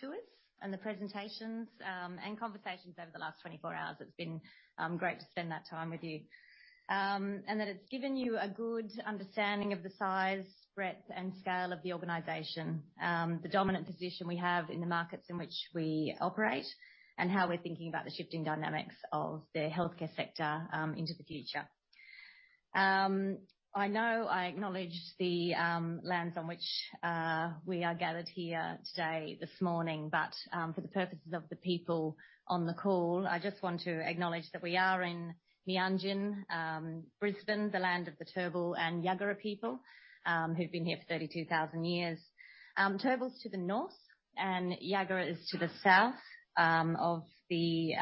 tours and the presentations, and conversations over the last 24 hours. It's been great to spend that time with you. And that it's given you a good understanding of the size, breadth, and scale of the organization, the dominant position we have in the markets in which we operate, and how we're thinking about the shifting dynamics of the healthcare sector, into the future. I know I acknowledge the lands on which we are gathered here today, this morning, but for the purposes of the people on the call, I just want to acknowledge that we are in Meanjin, Brisbane, the land of the Turrbal and Yuggera people, who've been here for 32,000 years. Turrbal's to the north, and Yuggera is to the south, of Brisbane,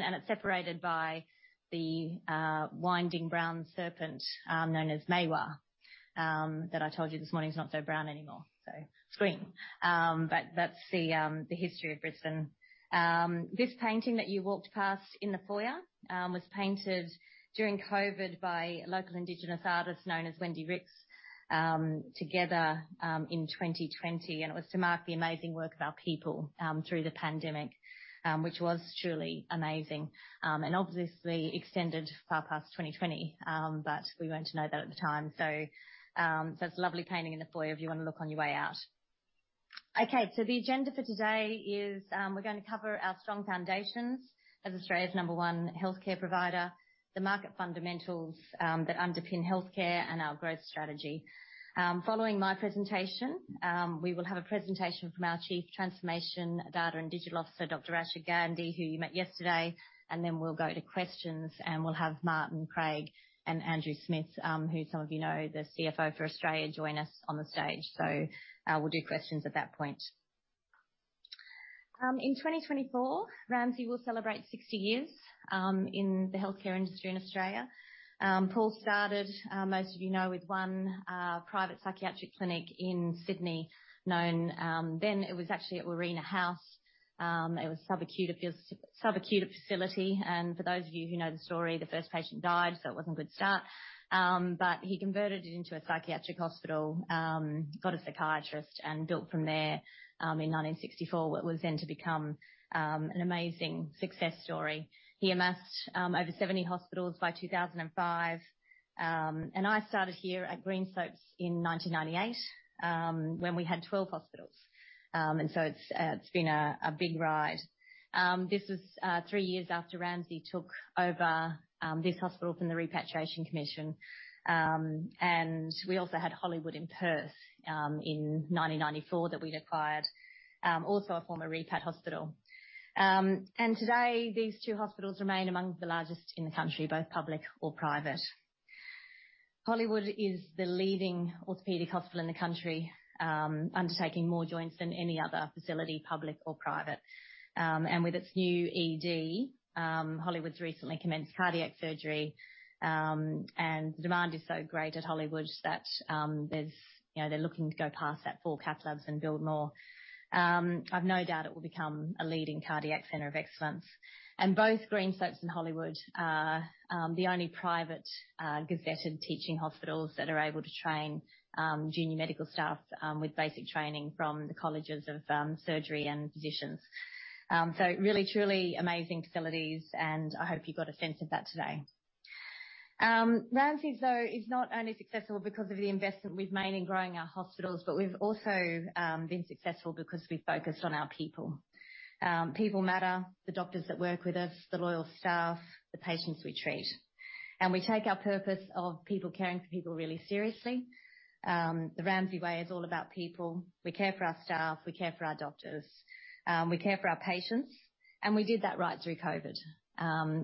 and it's separated by the winding brown serpent known as Maiwar that I told you this morning is not so brown anymore, so it's green. But that's the history of Brisbane. This painting that you walked past in the foyer was painted during COVID by a local Indigenous artist known as Wendy Rix, together in 2020, and it was to mark the amazing work of our people through the pandemic, which was truly amazing, and obviously extended far past 2020. But we weren't to know that at the time. So it's a lovely painting in the foyer if you want to look on your way out. Okay, so the agenda for today is, we're going to cover our strong foundations as Australia's number one healthcare provider, the market fundamentals that underpin healthcare, and our growth strategy. Following my presentation, we will have a presentation from our Chief Transformation, Data, and Digital Officer, Dr. Rachna Gandhi, who you met yesterday, and then we'll go to questions, and we'll have Martyn, Craig, and Andrew Smith, who some of you know, the CFO for Australia, join us on the stage. So, we'll do questions at that point. In 2024, Ramsay will celebrate 60 years in the healthcare industry in Australia. Paul started, most of you know, with 1 private psychiatric clinic in Sydney, known... Then, it was actually at Larana House. It was subacute, a sub-subacute facility, and for those of you who know the story, the first patient died, so it wasn't a good start. But he converted it into a psychiatric hospital, got a psychiatrist, and built from there, in 1964, what was then to become, an amazing success story. He amassed, over 70 hospitals by 2005. And I started here at Greenslopes in 1998, when we had 12 hospitals. And so it's, it's been a, a big ride. This was, three years after Ramsay took over, this hospital from the Repatriation Commission. And we also had Hollywood in Perth, in 1994, that we'd acquired, also a former Repat hospital. And today, these two hospitals remain among the largest in the country, both public or private. Hollywood is the leading orthopedic hospital in the country, undertaking more joints than any other facility, public or private. And with its new ED, Hollywood recently commenced cardiac surgery, and the demand is so great at Hollywood that, there's, you know, they're looking to go past that four cath labs and build more. I've no doubt it will become a leading cardiac center of excellence. And both Greenslopes and Hollywood are, the only private, gazetted teaching hospitals that are able to train, junior medical staff, with basic training from the colleges of, surgery and physicians. So really, truly amazing facilities, and I hope you got a sense of that today. Ramsay, though, is not only successful because of the investment we've made in growing our hospitals, but we've also been successful because we focused on our people. People matter, the doctors that work with us, the loyal staff, the patients we treat, and we take our purpose of people caring for people really seriously. The Ramsay Way is all about people. We care for our staff, we care for our doctors, we care for our patients, and we did that right through COVID.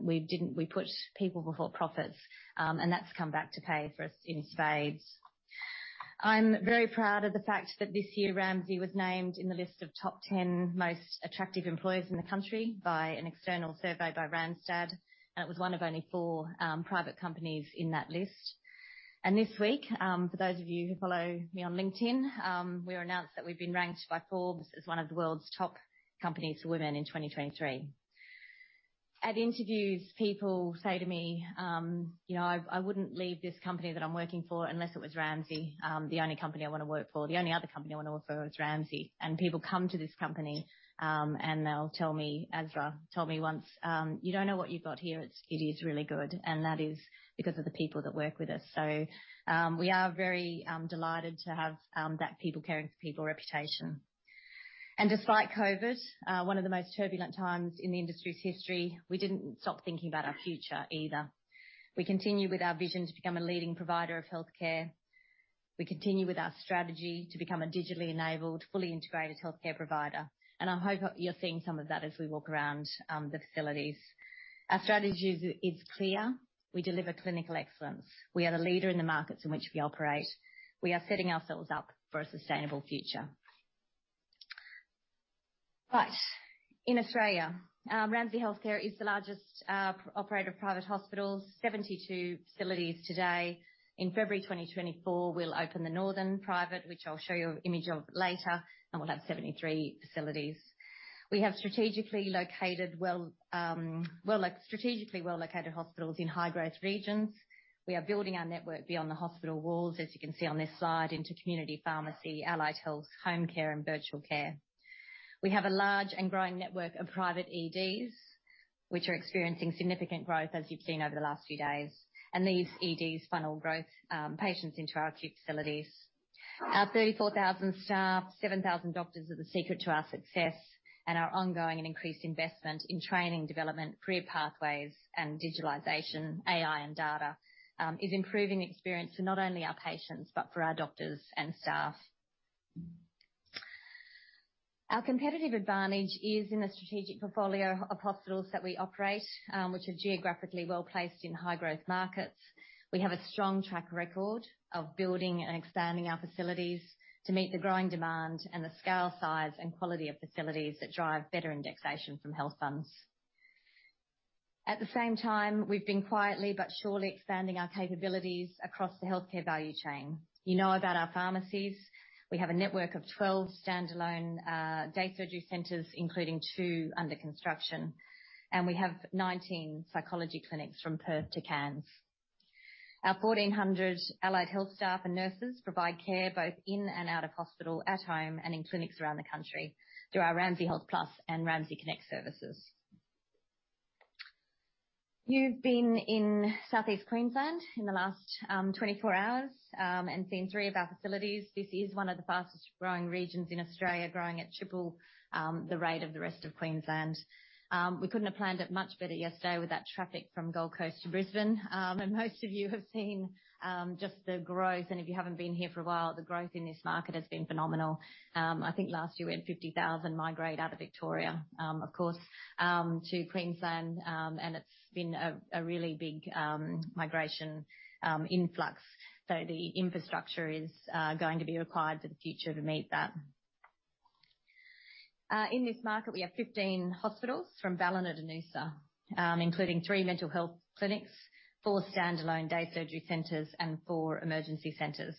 We put people before profits, and that's come back to pay for us in spades. I'm very proud of the fact that this year Ramsay was named in the list of top ten most attractive employers in the country by an external survey by Randstad, and it was one of only four private companies in that list. This week, for those of you who follow me on LinkedIn, we announced that we've been ranked by Forbes as one of the world's top companies for women in 2023. At interviews, people say to me, "You know, I, I wouldn't leave this company that I'm working for unless it was Ramsay. The only company I wanna work for, the only other company I wanna work for is Ramsay." And people come to this company, and they'll tell me, Ezra told me once, "You don't know what you've got here. It's, it is really good." And that is because of the people that work with us. So, we are very delighted to have that people caring for people reputation. Despite COVID, one of the most turbulent times in the industry's history, we didn't stop thinking about our future either. We continued with our vision to become a leading provider of healthcare. We continue with our strategy to become a digitally enabled, fully integrated healthcare provider, and I hope you're seeing some of that as we walk around, the facilities. Our strategy is, is clear. We deliver clinical excellence. We are the leader in the markets in which we operate. We are setting ourselves up for a sustainable future. In Australia, Ramsay Health Care is the largest, operator of private hospitals, 72 facilities today. In February 2024, we'll open the Northern Private, which I'll show you an image of later, and we'll have 73 facilities. We have strategically located well, well, like, strategically well-located hospitals in high-growth regions. We are building our network beyond the hospital walls, as you can see on this slide, into community pharmacy, allied health, home care, and virtual care. We have a large and growing network of private EDs, which are experiencing significant growth, as you've seen over the last few days. These EDs funnel growth, patients into our acute facilities. Our 34,000 staff, 7,000 doctors, are the secret to our success, and our ongoing and increased investment in training, development, career pathways, and digitalization, AI, and data, is improving the experience for not only our patients, but for our doctors and staff. Our competitive advantage is in the strategic portfolio of hospitals that we operate, which are geographically well-placed in high-growth markets. We have a strong track record of building and expanding our facilities to meet the growing demand and the scale, size, and quality of facilities that drive better indexation from health funds. At the same time, we've been quietly but surely expanding our capabilities across the healthcare value chain. You know about our pharmacies. We have a network of 12 standalone day surgery centers, including two under construction, and we have 19 psychology clinics from Perth to Cairns. Our 1,400 allied health staff and nurses provide care both in and out of hospital, at home, and in clinics around the country through our Ramsay Health Plus and Ramsay Connect services. You've been in Southeast Queensland in the last 24 hours and seen three of our facilities. This is one of the fastest growing regions in Australia, growing at triple the rate of the rest of Queensland. We couldn't have planned it much better yesterday with that traffic from Gold Coast to Brisbane. And most of you have seen just the growth, and if you haven't been here for a while, the growth in this market has been phenomenal. I think last year we had 50,000 migrate out of Victoria, of course to Queensland, and it's been a really big migration influx. So the infrastructure is going to be required for the future to meet that. In this market, we have 15 hospitals from Ballina to Noosa, including 3 mental health clinics, 4 standalone day surgery centers, and 4 emergency centers.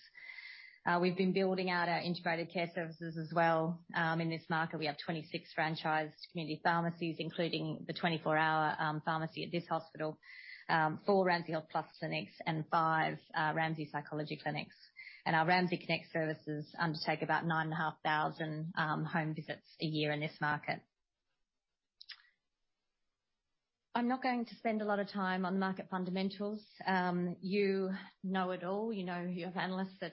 We've been building out our integrated care services as well. In this market, we have 26 franchised community pharmacies, including the 24-hour pharmacy at this hospital, 4 Ramsay Health Plus clinics, and 5 Ramsay Psychology clinics. Our Ramsay Connect services undertake about 9,500 home visits a year in this market. I'm not going to spend a lot of time on the market fundamentals. You know it all. You know, you have analysts that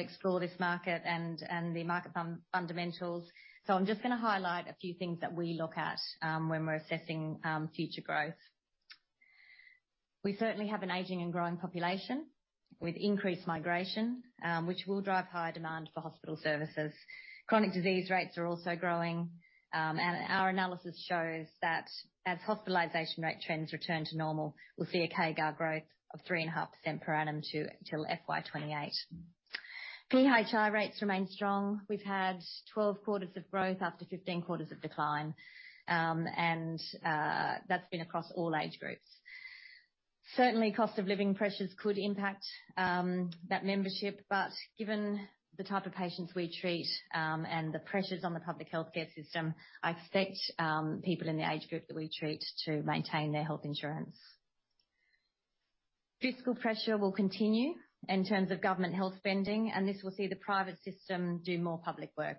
explore this market and the market fundamentals. I'm just gonna highlight a few things that we look at when we're assessing future growth. We certainly have an aging and growing population with increased migration, which will drive higher demand for hospital services. Chronic disease rates are also growing, and our analysis shows that as hospitalization rate trends return to normal, we'll see a CAGR growth of 3.5% per annum till FY 2028. PHI rates remain strong. We've had 12 quarters of growth after 15 quarters of decline, and that's been across all age groups. Certainly, cost of living pressures could impact that membership, but given the type of patients we treat, and the pressures on the public healthcare system, I expect people in the age group that we treat to maintain their health insurance. Fiscal pressure will continue in terms of government health spending, and this will see the private system do more public work.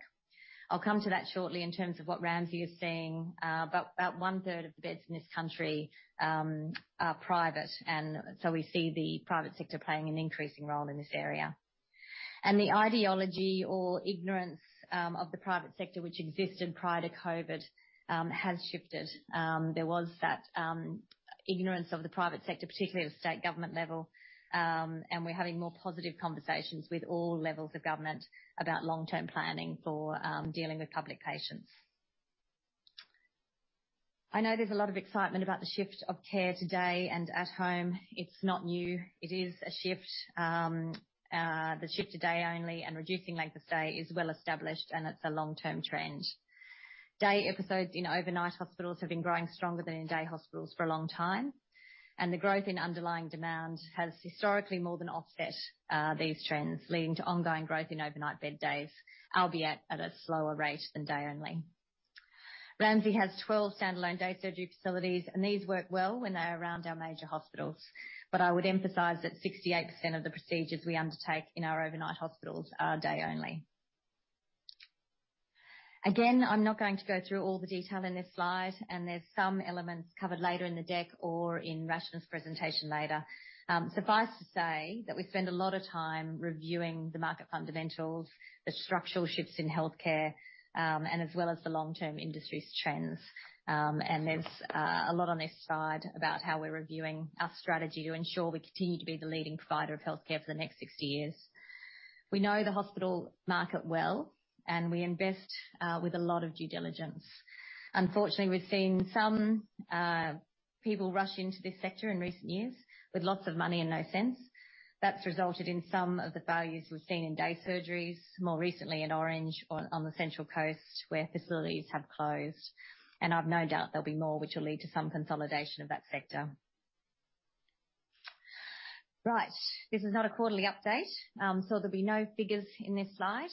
I'll come to that shortly in terms of what Ramsay is seeing. But about one-third of the beds in this country are private, and so we see the private sector playing an increasing role in this area. And the ideology or ignorance of the private sector, which existed prior to COVID, has shifted. There was that ignorance of the private sector, particularly at the state government level, and we're having more positive conversations with all levels of government about long-term planning for dealing with public patients. I know there's a lot of excitement about the shift of care today, and at home, it's not new. It is a shift. The shift to day-only and reducing length of stay is well established, and it's a long-term trend. Day episodes in overnight hospitals have been growing stronger than in day hospitals for a long time, and the growth in underlying demand has historically more than offset these trends, leading to ongoing growth in overnight bed days, albeit at a slower rate than day-only. Ramsay has 12 standalone day surgery facilities, and these work well when they're around our major hospitals. But I would emphasize that 68% of the procedures we undertake in our overnight hospitals are day-only. Again, I'm not going to go through all the detail in this slide, and there's some elements covered later in the deck or in Rachna's presentation later. Suffice to say that we spend a lot of time reviewing the market fundamentals, the structural shifts in healthcare, and as well as the long-term industry's trends. And there's a lot on this slide about how we're reviewing our strategy to ensure we continue to be the leading provider of healthcare for the next 60 years. We know the hospital market well, and we invest with a lot of due diligence. Unfortunately, we've seen some people rush into this sector in recent years with lots of money and no sense. That's resulted in some of the failures we've seen in day surgeries, more recently in Orange, on the Central Coast, where facilities have closed, and I've no doubt there'll be more, which will lead to some consolidation of that sector. Right. This is not a quarterly update, so there'll be no figures in this slide,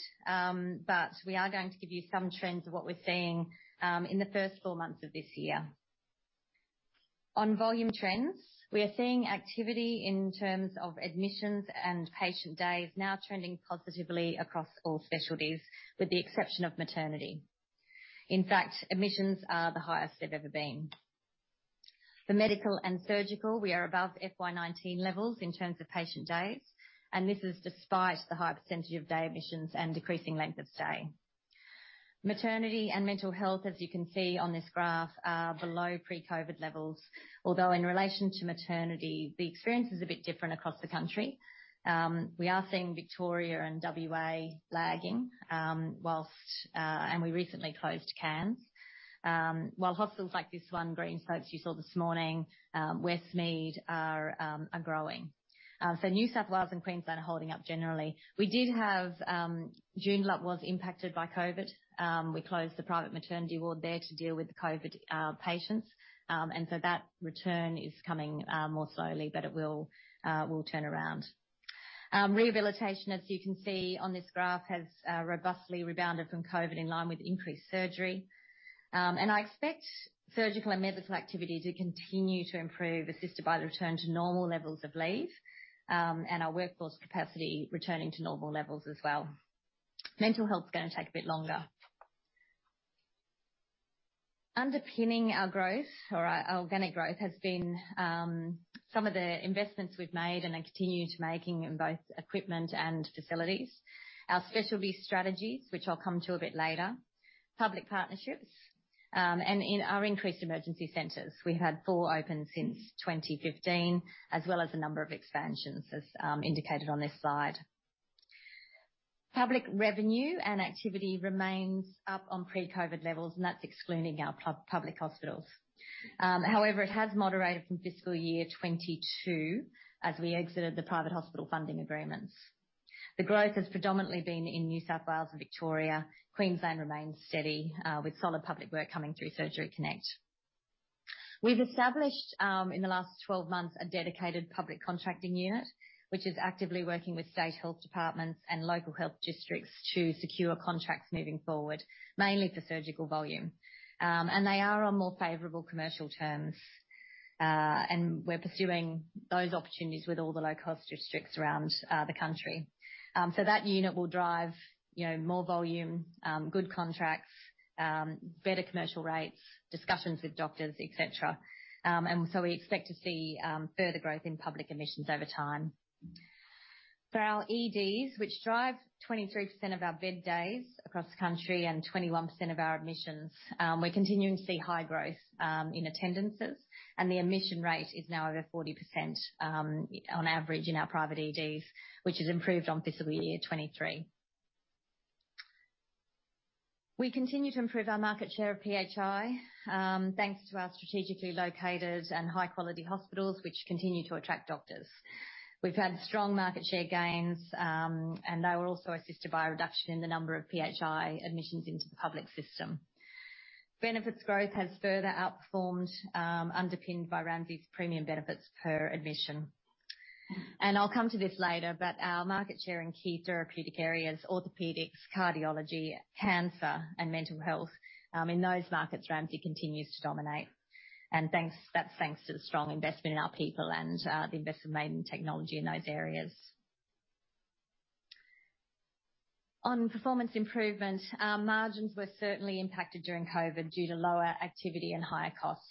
but we are going to give you some trends of what we're seeing in the first four months of this year. On volume trends, we are seeing activity in terms of admissions and patient days now trending positively across all specialties, with the exception of maternity. In fact, admissions are the highest they've ever been. For medical and surgical, we are above FY 2019 levels in terms of patient days, and this is despite the high percentage of day admissions and decreasing length of stay. Maternity and mental health, as you can see on this graph, are below pre-COVID levels, although in relation to maternity, the experience is a bit different across the country. We are seeing Victoria and WA lagging, whilst and we recently closed Cairns. While hospitals like this one, Greenslopes, you saw this morning, Westmead are growing. So New South Wales and Queensland are holding up generally. We did have, Joondalup was impacted by COVID. We closed the private maternity ward there to deal with the COVID patients. And so that return is coming more slowly, but it will turn around. Rehabilitation, as you can see on this graph, has robustly rebounded from COVID in line with increased surgery. And I expect surgical and medical activity to continue to improve, assisted by the return to normal levels of leave, and our workforce capacity returning to normal levels as well. Mental health is gonna take a bit longer. Underpinning our growth or our organic growth, has been some of the investments we've made and are continuing to make in both equipment and facilities. Our specialty strategies, which I'll come to a bit later, public partnerships, and in our increased emergency centers. We've had four open since 2015, as well as a number of expansions, as indicated on this slide. Public revenue and activity remains up on pre-COVID levels, and that's excluding our public hospitals. However, it has moderated from fiscal year 2022 as we exited the private hospital funding agreements. The growth has predominantly been in New South Wales and Victoria. Queensland remains steady, with solid public work coming through Surgery Connect. We've established, in the last 12 months, a dedicated public contracting unit, which is actively working with state health departments and local health districts to secure contracts moving forward, mainly for surgical volume. And they are on more favorable commercial terms, and we're pursuing those opportunities with all the local health districts around the country. So that unit will drive, you know, more volume, good contracts, better commercial rates, discussions with doctors, et cetera. And so we expect to see further growth in public admissions over time. For our EDs, which drive 23% of our bed days across the country and 21% of our admissions, we're continuing to see high growth in attendances, and the admission rate is now over 40% on average in our private EDs, which has improved on fiscal year 2023. We continue to improve our market share of PHI, thanks to our strategically located and high-quality hospitals, which continue to attract doctors. We've had strong market share gains, and they were also assisted by a reduction in the number of PHI admissions into the public system. Benefits growth has further outperformed, underpinned by Ramsay's premium benefits per admission. And I'll come to this later, but our market share in key therapeutic areas, orthopedics, cardiology, cancer, and mental health, in those markets, Ramsay continues to dominate. And that's thanks to the strong investment in our people and the investment made in technology in those areas. On performance improvement, our margins were certainly impacted during COVID due to lower activity and higher costs.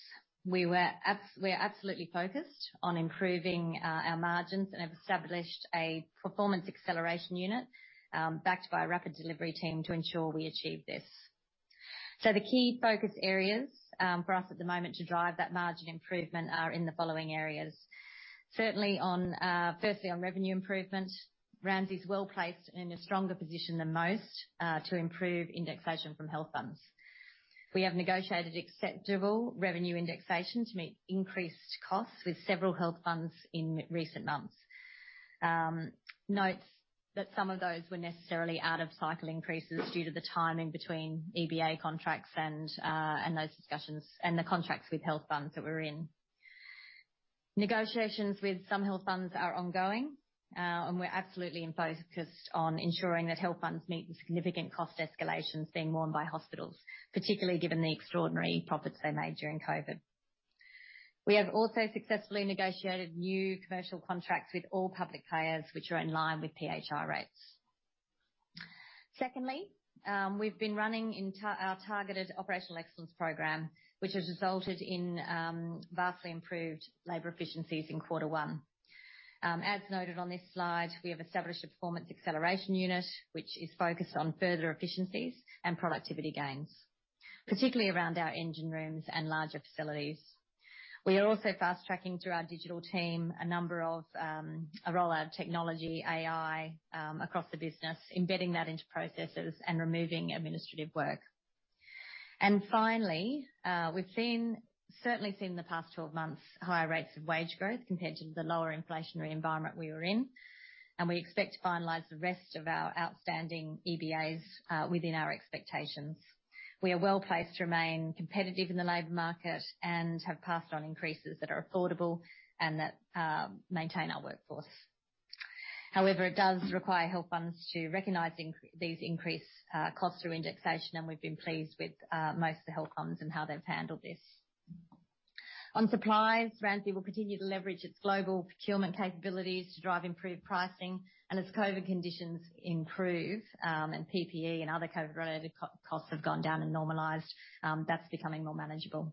We're absolutely focused on improving our margins and have established a performance acceleration unit, backed by a rapid delivery team to ensure we achieve this. So the key focus areas for us at the moment to drive that margin improvement are in the following areas: Certainly, firstly, on revenue improvement, Ramsay is well-placed and in a stronger position than most to improve indexation from health funds. We have negotiated acceptable revenue indexation to meet increased costs with several health funds in recent months. Note that some of those were necessarily out of cycle increases due to the timing between EBA contracts and those discussions, and the contracts with health funds that we're in. Negotiations with some health funds are ongoing, and we're absolutely in focus on ensuring that health funds meet the significant cost escalations being worn by hospitals, particularly given the extraordinary profits they made during COVID. We have also successfully negotiated new commercial contracts with all public payers, which are in line with PHI rates. Secondly, we've been running our targeted operational excellence program, which has resulted in vastly improved labor efficiencies in quarter one. As noted on this slide, we have established a performance acceleration unit, which is focused on further efficiencies and productivity gains, particularly around our engine rooms and larger facilities. We are also fast-tracking through our digital team a number of a rollout of technology, AI, across the business, embedding that into processes and removing administrative work. And finally, we've seen, certainly seen in the past 12 months, higher rates of wage growth compared to the lower inflationary environment we were in, and we expect to finalize the rest of our outstanding EBAs within our expectations. We are well-placed to remain competitive in the labor market and have passed on increases that are affordable and that maintain our workforce. However, it does require health funds to recognize these increased costs through indexation, and we've been pleased with most of the health funds and how they've handled this. On supplies, Ramsay will continue to leverage its global procurement capabilities to drive improved pricing. As COVID conditions improve, and PPE and other COVID-related costs have gone down and normalized, that's becoming more manageable.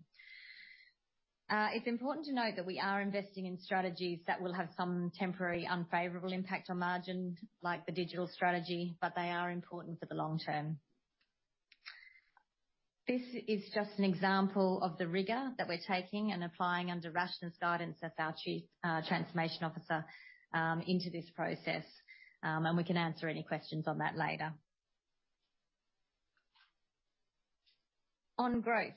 It's important to note that we are investing in strategies that will have some temporary unfavorable impact on margin, like the digital strategy, but they are important for the long term. This is just an example of the rigor that we're taking and applying under Rachna's guidance as our Chief Transformation Officer into this process, and we can answer any questions on that later. On growth.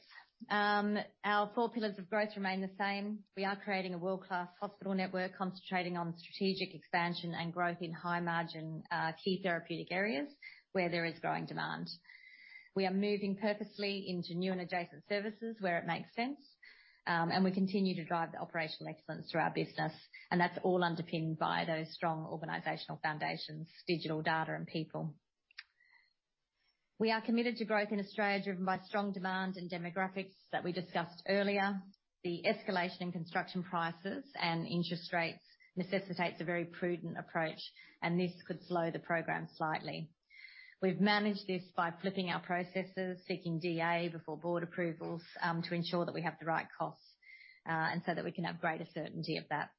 Our four pillars of growth remain the same. We are creating a world-class hospital network, concentrating on strategic expansion and growth in high-margin key therapeutic areas where there is growing demand. We are moving purposely into new and adjacent services where it makes sense, and we continue to drive the operational excellence through our business, and that's all underpinned by those strong organizational foundations, digital data, and people. We are committed to growth in Australia, driven by strong demand and demographics that we discussed earlier. The escalation in construction prices and interest rates necessitates a very prudent approach, and this could slow the program slightly. We've managed this by flipping our processes, seeking DA before board approvals, to ensure that we have the right costs, and so that we can have greater certainty of that.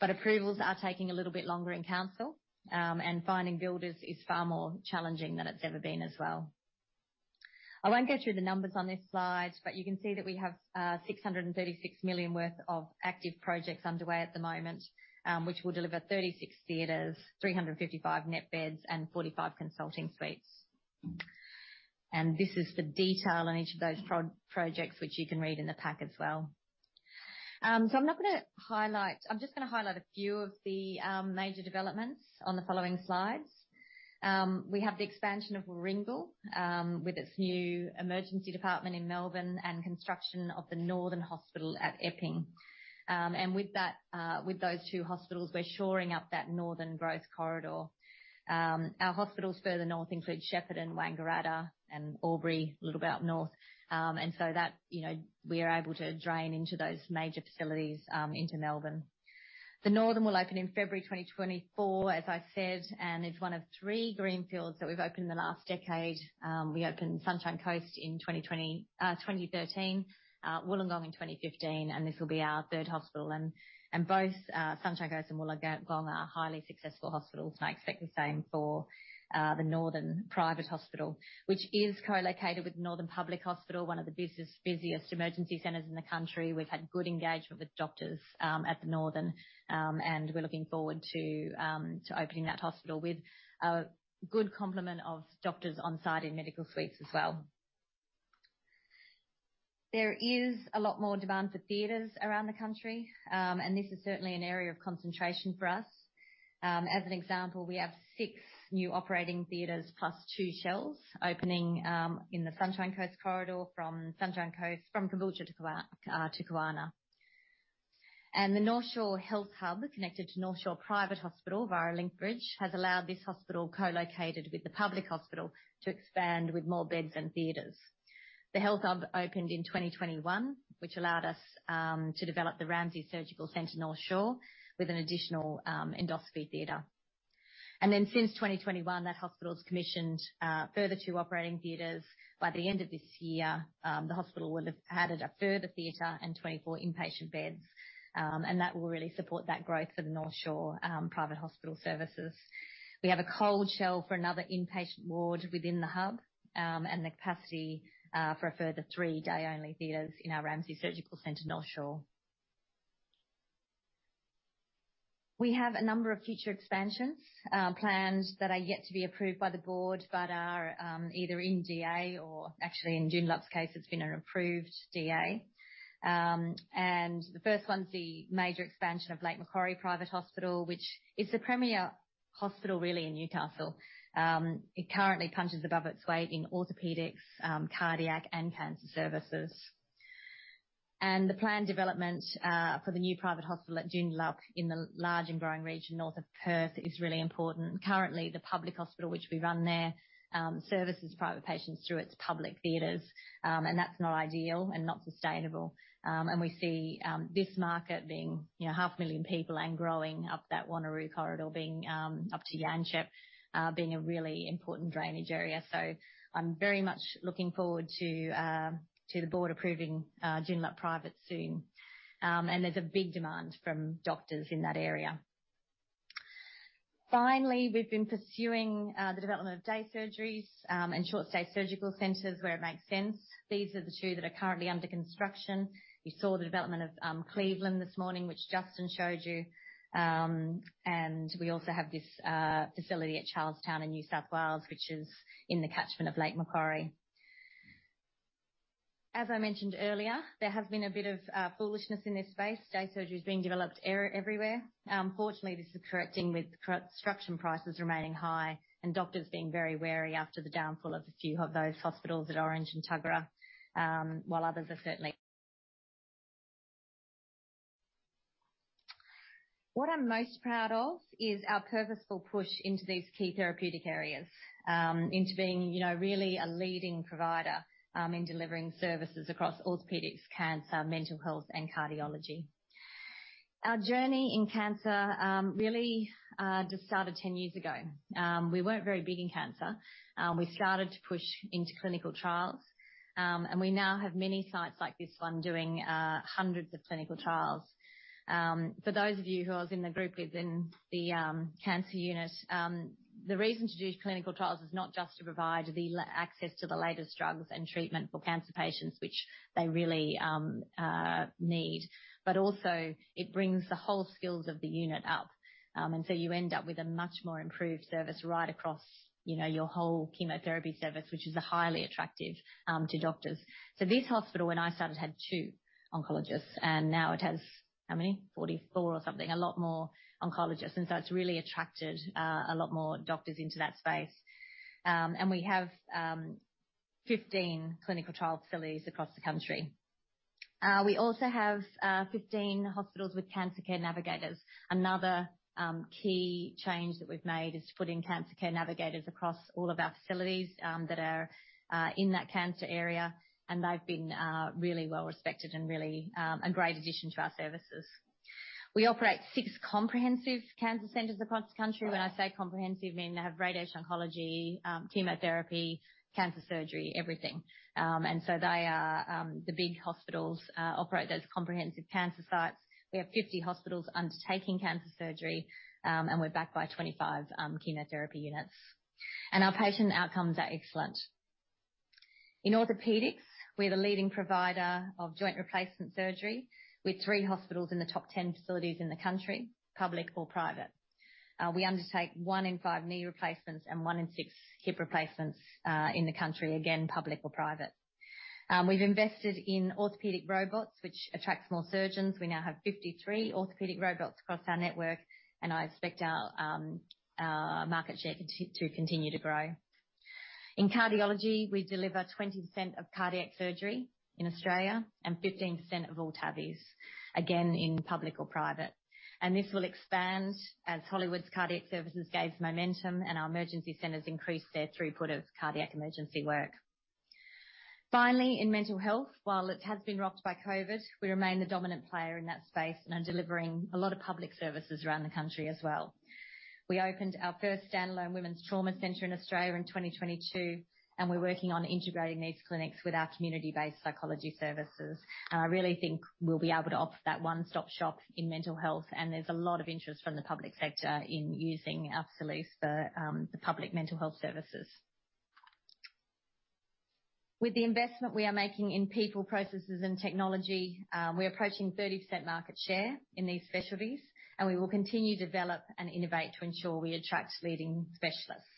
But approvals are taking a little bit longer in council, and finding builders is far more challenging than it's ever been as well. I won't go through the numbers on this slide, but you can see that we have 636 million worth of active projects underway at the moment, which will deliver 36 theaters, 355 net beds, and 45 consulting suites. And this is the detail on each of those projects, which you can read in the pack as well. So I'm not gonna highlight. I'm just gonna highlight a few of the major developments on the following slides. We have the expansion of Warringal with its new emergency department in Melbourne and construction of the Northern Private Hospital at Epping. And with that, with those two hospitals, we're shoring up that northern growth corridor. Our hospitals further north include Shepparton and Wangaratta and Albury, a little bit up north. And so that, you know, we are able to drain into those major facilities into Melbourne. The Northern will open in February 2024, as I said, and it's one of three greenfields that we've opened in the last decade. We opened Sunshine Coast in 2013, Wollongong in 2015, and this will be our third hospital. Both Sunshine Coast and Wollongong are highly successful hospitals, and I expect the same for the Northern Private Hospital, which is co-located with Northern Public Hospital, one of the busiest, busiest emergency centers in the country. We've had good engagement with doctors at the Northern, and we're looking forward to opening that hospital with a good complement of doctors on-site in medical suites as well. There is a lot more demand for theaters around the country, and this is certainly an area of concentration for us. As an example, we have six new operating theaters, plus two shells, opening in the Sunshine Coast corridor, from Sunshine Coast, from Caboolture to Kawana. The North Shore Health Hub, connected to North Shore Private Hospital via a link bridge, has allowed this hospital, co-located with the public hospital, to expand with more beds and theaters. The health hub opened in 2021, which allowed us to develop the Ramsay Surgical Centre North Shore, with an additional endoscopy theater. Then, since 2021, that hospital's commissioned further two operating theaters. By the end of this year, the hospital will have added a further theater and 24 inpatient beds, and that will really support that growth for the North Shore private hospital services. We have a cold shell for another inpatient ward within the hub, and the capacity for a further three day-only theaters in our Ramsay Surgical Centre North Shore. We have a number of future expansions, planned, that are yet to be approved by the board, but are either in DA or actually, in Joondalup's case, it's been an approved DA. The first one is the major expansion of Lake Macquarie Private Hospital, which is the premier hospital, really, in Newcastle. It currently punches above its weight in orthopedics, cardiac, and cancer services. The planned development, for the new private hospital at Joondalup, in the large and growing region north of Perth, is really important. Currently, the public hospital, which we run there, services private patients through its public theaters, and that's not ideal and not sustainable. We see this market being, you know, 500,000 people and growing up that Wanneroo corridor being up to Yanchep, being a really important drainage area. I'm very much looking forward to the board approving Joondalup Private soon. There's a big demand from doctors in that area. Finally, we've been pursuing the development of day surgeries and short-stay surgical centers where it makes sense. These are the two that are currently under construction. You saw the development of Cleveland this morning, which Justin showed you. We also have this facility at Charlestown in New South Wales, which is in the catchment of Lake Macquarie. As I mentioned earlier, there has been a bit of foolishness in this space. Day surgery is being developed everywhere. Fortunately, this is correcting with construction prices remaining high and doctors being very wary after the downfall of a few of those hospitals at Orange and Tuggerah, while others are certainly—What I'm most proud of is our purposeful push into these key therapeutic areas, into being, you know, really a leading provider, in delivering services across orthopedics, cancer, mental health, and cardiology. Our journey in cancer, really, just started 10 years ago. We weren't very big in cancer. We started to push into clinical trials, and we now have many sites like this one doing, hundreds of clinical trials. For those of you who was in the group within the cancer unit, the reason to do clinical trials is not just to provide access to the latest drugs and treatment for cancer patients, which they really need, but also it brings the whole skills of the unit up. And so you end up with a much more improved service right across, you know, your whole chemotherapy service, which is highly attractive to doctors. So this hospital, when I started, had two oncologists, and now it has, how many? 44 or something, a lot more oncologists. And so it's really attracted a lot more doctors into that space. And we have fifteen clinical trial facilities across the country. We also have fifteen hospitals with cancer care navigators. Another key change that we've made is to put in cancer care navigators across all of our facilities that are in that cancer area, and they've been really well-respected and really a great addition to our services. We operate six comprehensive cancer centers across the country. When I say comprehensive, meaning they have radiation oncology, chemotherapy, cancer surgery, everything. And so they are the big hospitals operate those comprehensive cancer sites. We have 50 hospitals undertaking cancer surgery, and we're backed by 25 chemotherapy units, and our patient outcomes are excellent. In orthopedics, we're the leading provider of joint replacement surgery, with three hospitals in the top 10 facilities in the country, public or private. We undertake one in five knee replacements and one in six hip replacements in the country, again, public or private. We've invested in orthopedic robots, which attracts more surgeons. We now have 53 orthopedic robots across our network, and I expect our market share to continue to grow. In cardiology, we deliver 20% of cardiac surgery in Australia and 15% of all TAVI, again, in public or private. And this will expand as Hollywood's cardiac services gains momentum, and our emergency centers increase their throughput of cardiac emergency work. Finally, in mental health, while it has been rocked by COVID, we remain the dominant player in that space and are delivering a lot of public services around the country as well. We opened our first standalone women's trauma center in Australia in 2022, and we're working on integrating these clinics with our community-based psychology services. And I really think we'll be able to offer that one-stop shop in mental health, and there's a lot of interest from the public sector in using our facilities for the public mental health services. With the investment we are making in people, processes, and technology, we're approaching 30% market share in these specialties, and we will continue to develop and innovate to ensure we attract leading specialists.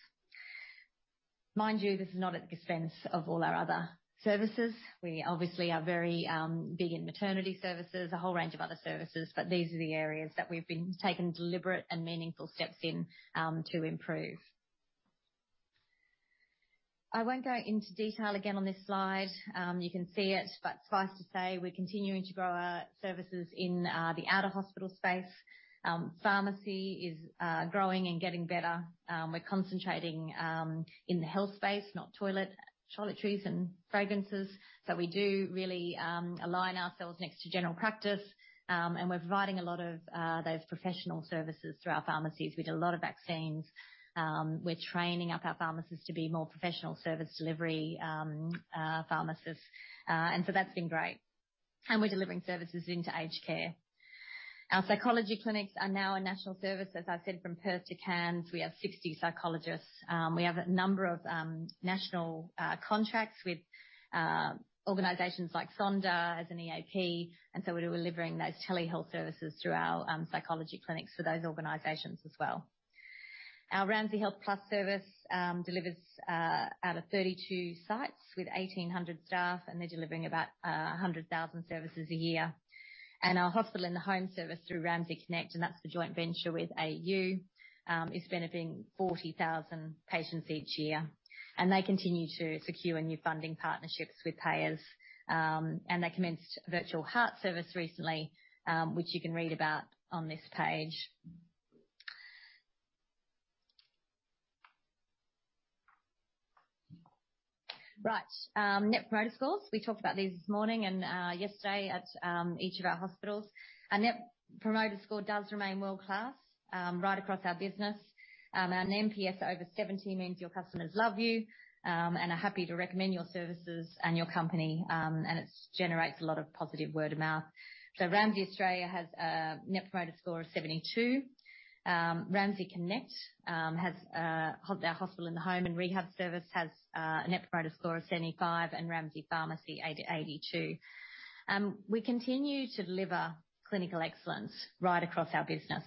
Mind you, this is not at the expense of all our other services. We obviously are very big in maternity services, a whole range of other services, but these are the areas that we've been taking deliberate and meaningful steps in to improve. I won't go into detail again on this slide. You can see it, but suffice to say, we're continuing to grow our services in the out-of-hospital space. Pharmacy is growing and getting better. We're concentrating in the health space, not toiletries and fragrances. So we do really align ourselves next to general practice, and we're providing a lot of those professional services through our pharmacies. We do a lot of vaccines. We're training up our pharmacists to be more professional service delivery pharmacists. And so that's been great. And we're delivering services into aged care. Our psychology clinics are now a national service. As I said, from Perth to Cairns, we have 60 psychologists. We have a number of national contracts with organizations like Sonder as an EAP, and so we're delivering those telehealth services through our psychology clinics for those organizations as well. Our Ramsay Health Plus service delivers out of 32 sites with 1,800 staff, and they're delivering about 100,000 services a year. Our hospital and the home service through Ramsay Connect, and that's the joint venture with AU, is benefiting 40,000 patients each year, and they continue to secure new funding partnerships with payers. They commenced a virtual heart service recently, which you can read about on this page. Right. Net Promoter Scores. We talked about these this morning and yesterday at each of our hospitals. Our Net Promoter Score does remain world-class right across our business. An NPS over 70 means your customers love you, and are happy to recommend your services and your company, and it generates a lot of positive word of mouth. Ramsay Australia has a Net Promoter Score of 72. Ramsay Connect has our hospital in the home and rehab service, has a Net Promoter Score of 75, and Ramsay Pharmacy, 82. We continue to deliver clinical excellence right across our business,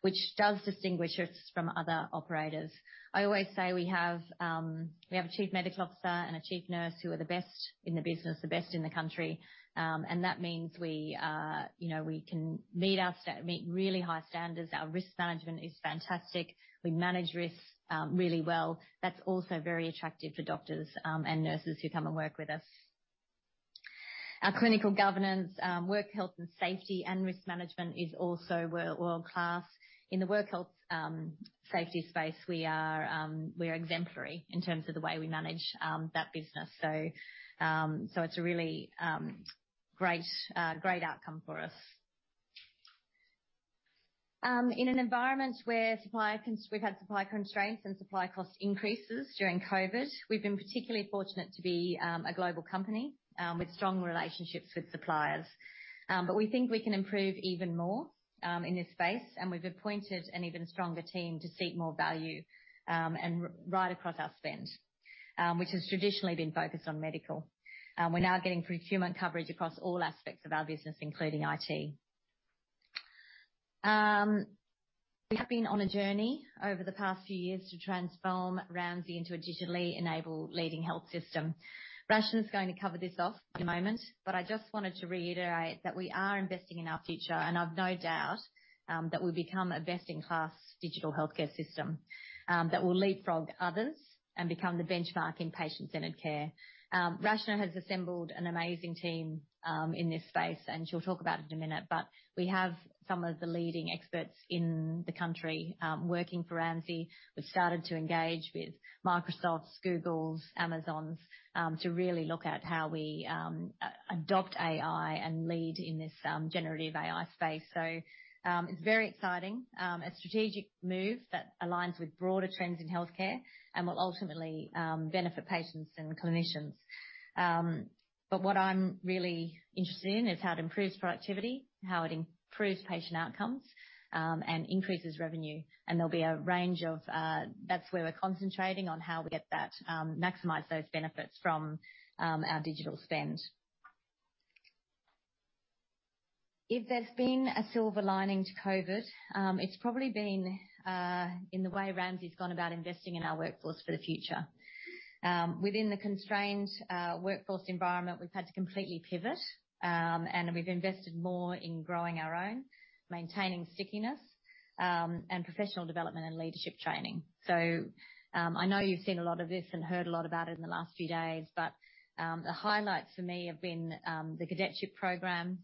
which does distinguish us from other operators. I always say we have a chief medical officer and a chief nurse who are the best in the business, the best in the country. And that means we are, you know, we can meet our sta-- meet really high standards. Our risk management is fantastic. We manage risks really well. That's also very attractive to doctors and nurses who come and work with us. Our clinical governance, work health and safety, and risk management is also world-class. In the work health, safety space, we are exemplary in terms of the way we manage that business. So, it's a really great outcome for us. In an environment where supply constraints and supply cost increases during COVID, we've been particularly fortunate to be a global company with strong relationships with suppliers. But we think we can improve even more in this space, and we've appointed an even stronger team to seek more value and right across our spend, which has traditionally been focused on medical. We're now getting procurement coverage across all aspects of our business, including IT. We have been on a journey over the past few years to transform Ramsay into a digitally enabled leading health system. Rachna is going to cover this off in a moment, but I just wanted to reiterate that we are investing in our future, and I've no doubt that we'll become a best-in-class digital healthcare system that will leapfrog others and become the benchmark in patient-centered care. Rachna has assembled an amazing team in this space, and she'll talk about it in a minute, but we have some of the leading experts in the country working for Ramsay. We've started to engage with Microsoft, Google, Amazon to really look at how we adopt AI and lead in this generative AI space. So, it's very exciting, a strategic move that aligns with broader trends in healthcare and will ultimately benefit patients and clinicians. But what I'm really interested in is how it improves productivity, how it improves patient outcomes, and increases revenue. There'll be a range of... That's where we're concentrating, on how we get that, maximize those benefits from, our digital spend. If there's been a silver lining to COVID, it's probably been, in the way Ramsay's gone about investing in our workforce for the future. Within the constrained, workforce environment, we've had to completely pivot, and we've invested more in growing our own, maintaining stickiness, and professional development and leadership training. So, I know you've seen a lot of this and heard a lot about it in the last few days, but the highlights for me have been the cadetship program,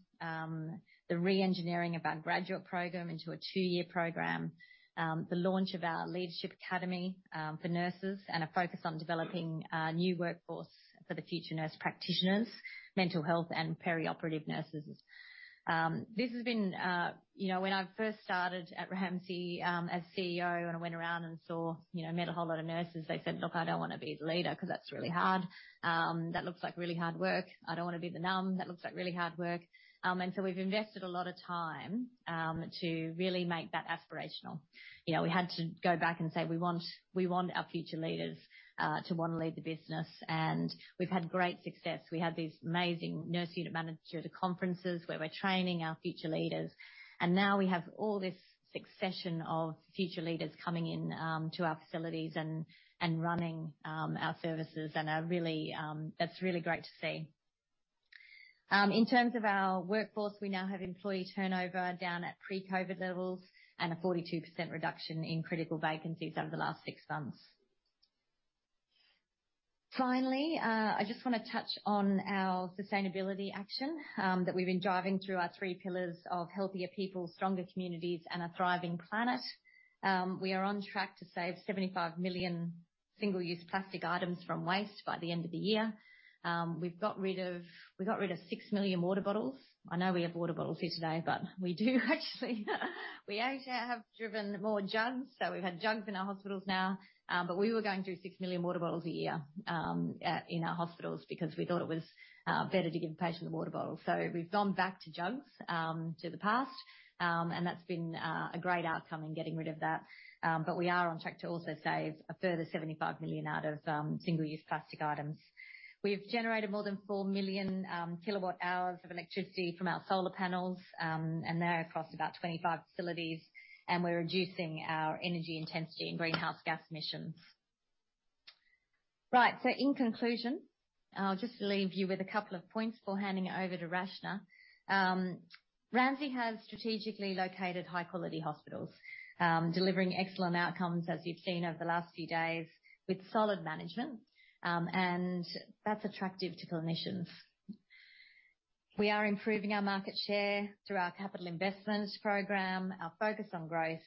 the reengineering of our graduate program into a two-year program, the launch of our leadership academy for nurses, and a focus on developing a new workforce for the future nurse practitioners, mental health, and perioperative nurses. This has been, you know, when I first started at Ramsay as CEO, and I went around and saw, you know, met a whole lot of nurses, they said, "Look, I don't want to be the leader, because that's really hard. That looks like really hard work. I don't want to be the NUM. That looks like really hard work." And so we've invested a lot of time to really make that aspirational. You know, we had to go back and say, "We want, we want our future leaders to want to lead the business," and we've had great success. We had these amazing nurse unit manager conferences, where we're training our future leaders, and now we have all this succession of future leaders coming in to our facilities and, and running our services, and are really. That's really great to see. In terms of our workforce, we now have employee turnover down at pre-COVID levels and a 42% reduction in critical vacancies over the last six months. Finally, I just want to touch on our sustainability action that we've been driving through our three pillars of healthier people, stronger communities, and a thriving planet. We are on track to save 75 million single-use plastic items from waste by the end of the year. We've got rid of six million water bottles. I know we have water bottles here today, but we do actually have driven more jugs, so we've had jugs in our hospitals now. But we were going through six million water bottles a year in our hospitals because we thought it was better to give the patient a water bottle. So we've gone back to jugs to the past, and that's been a great outcome in getting rid of that. But we are on track to also save a further 75 million out of single-use plastic items. We've generated more than 4 million kWh of electricity from our solar panels, and they're across about 25 facilities, and we're reducing our energy intensity and greenhouse gas emissions. Right, so in conclusion, I'll just leave you with a couple of points before handing it over to Rachna. Ramsay has strategically located high-quality hospitals, delivering excellent outcomes, as you've seen over the last few days, with solid management, and that's attractive to clinicians. We are improving our market share through our capital investment program, our focus on growth,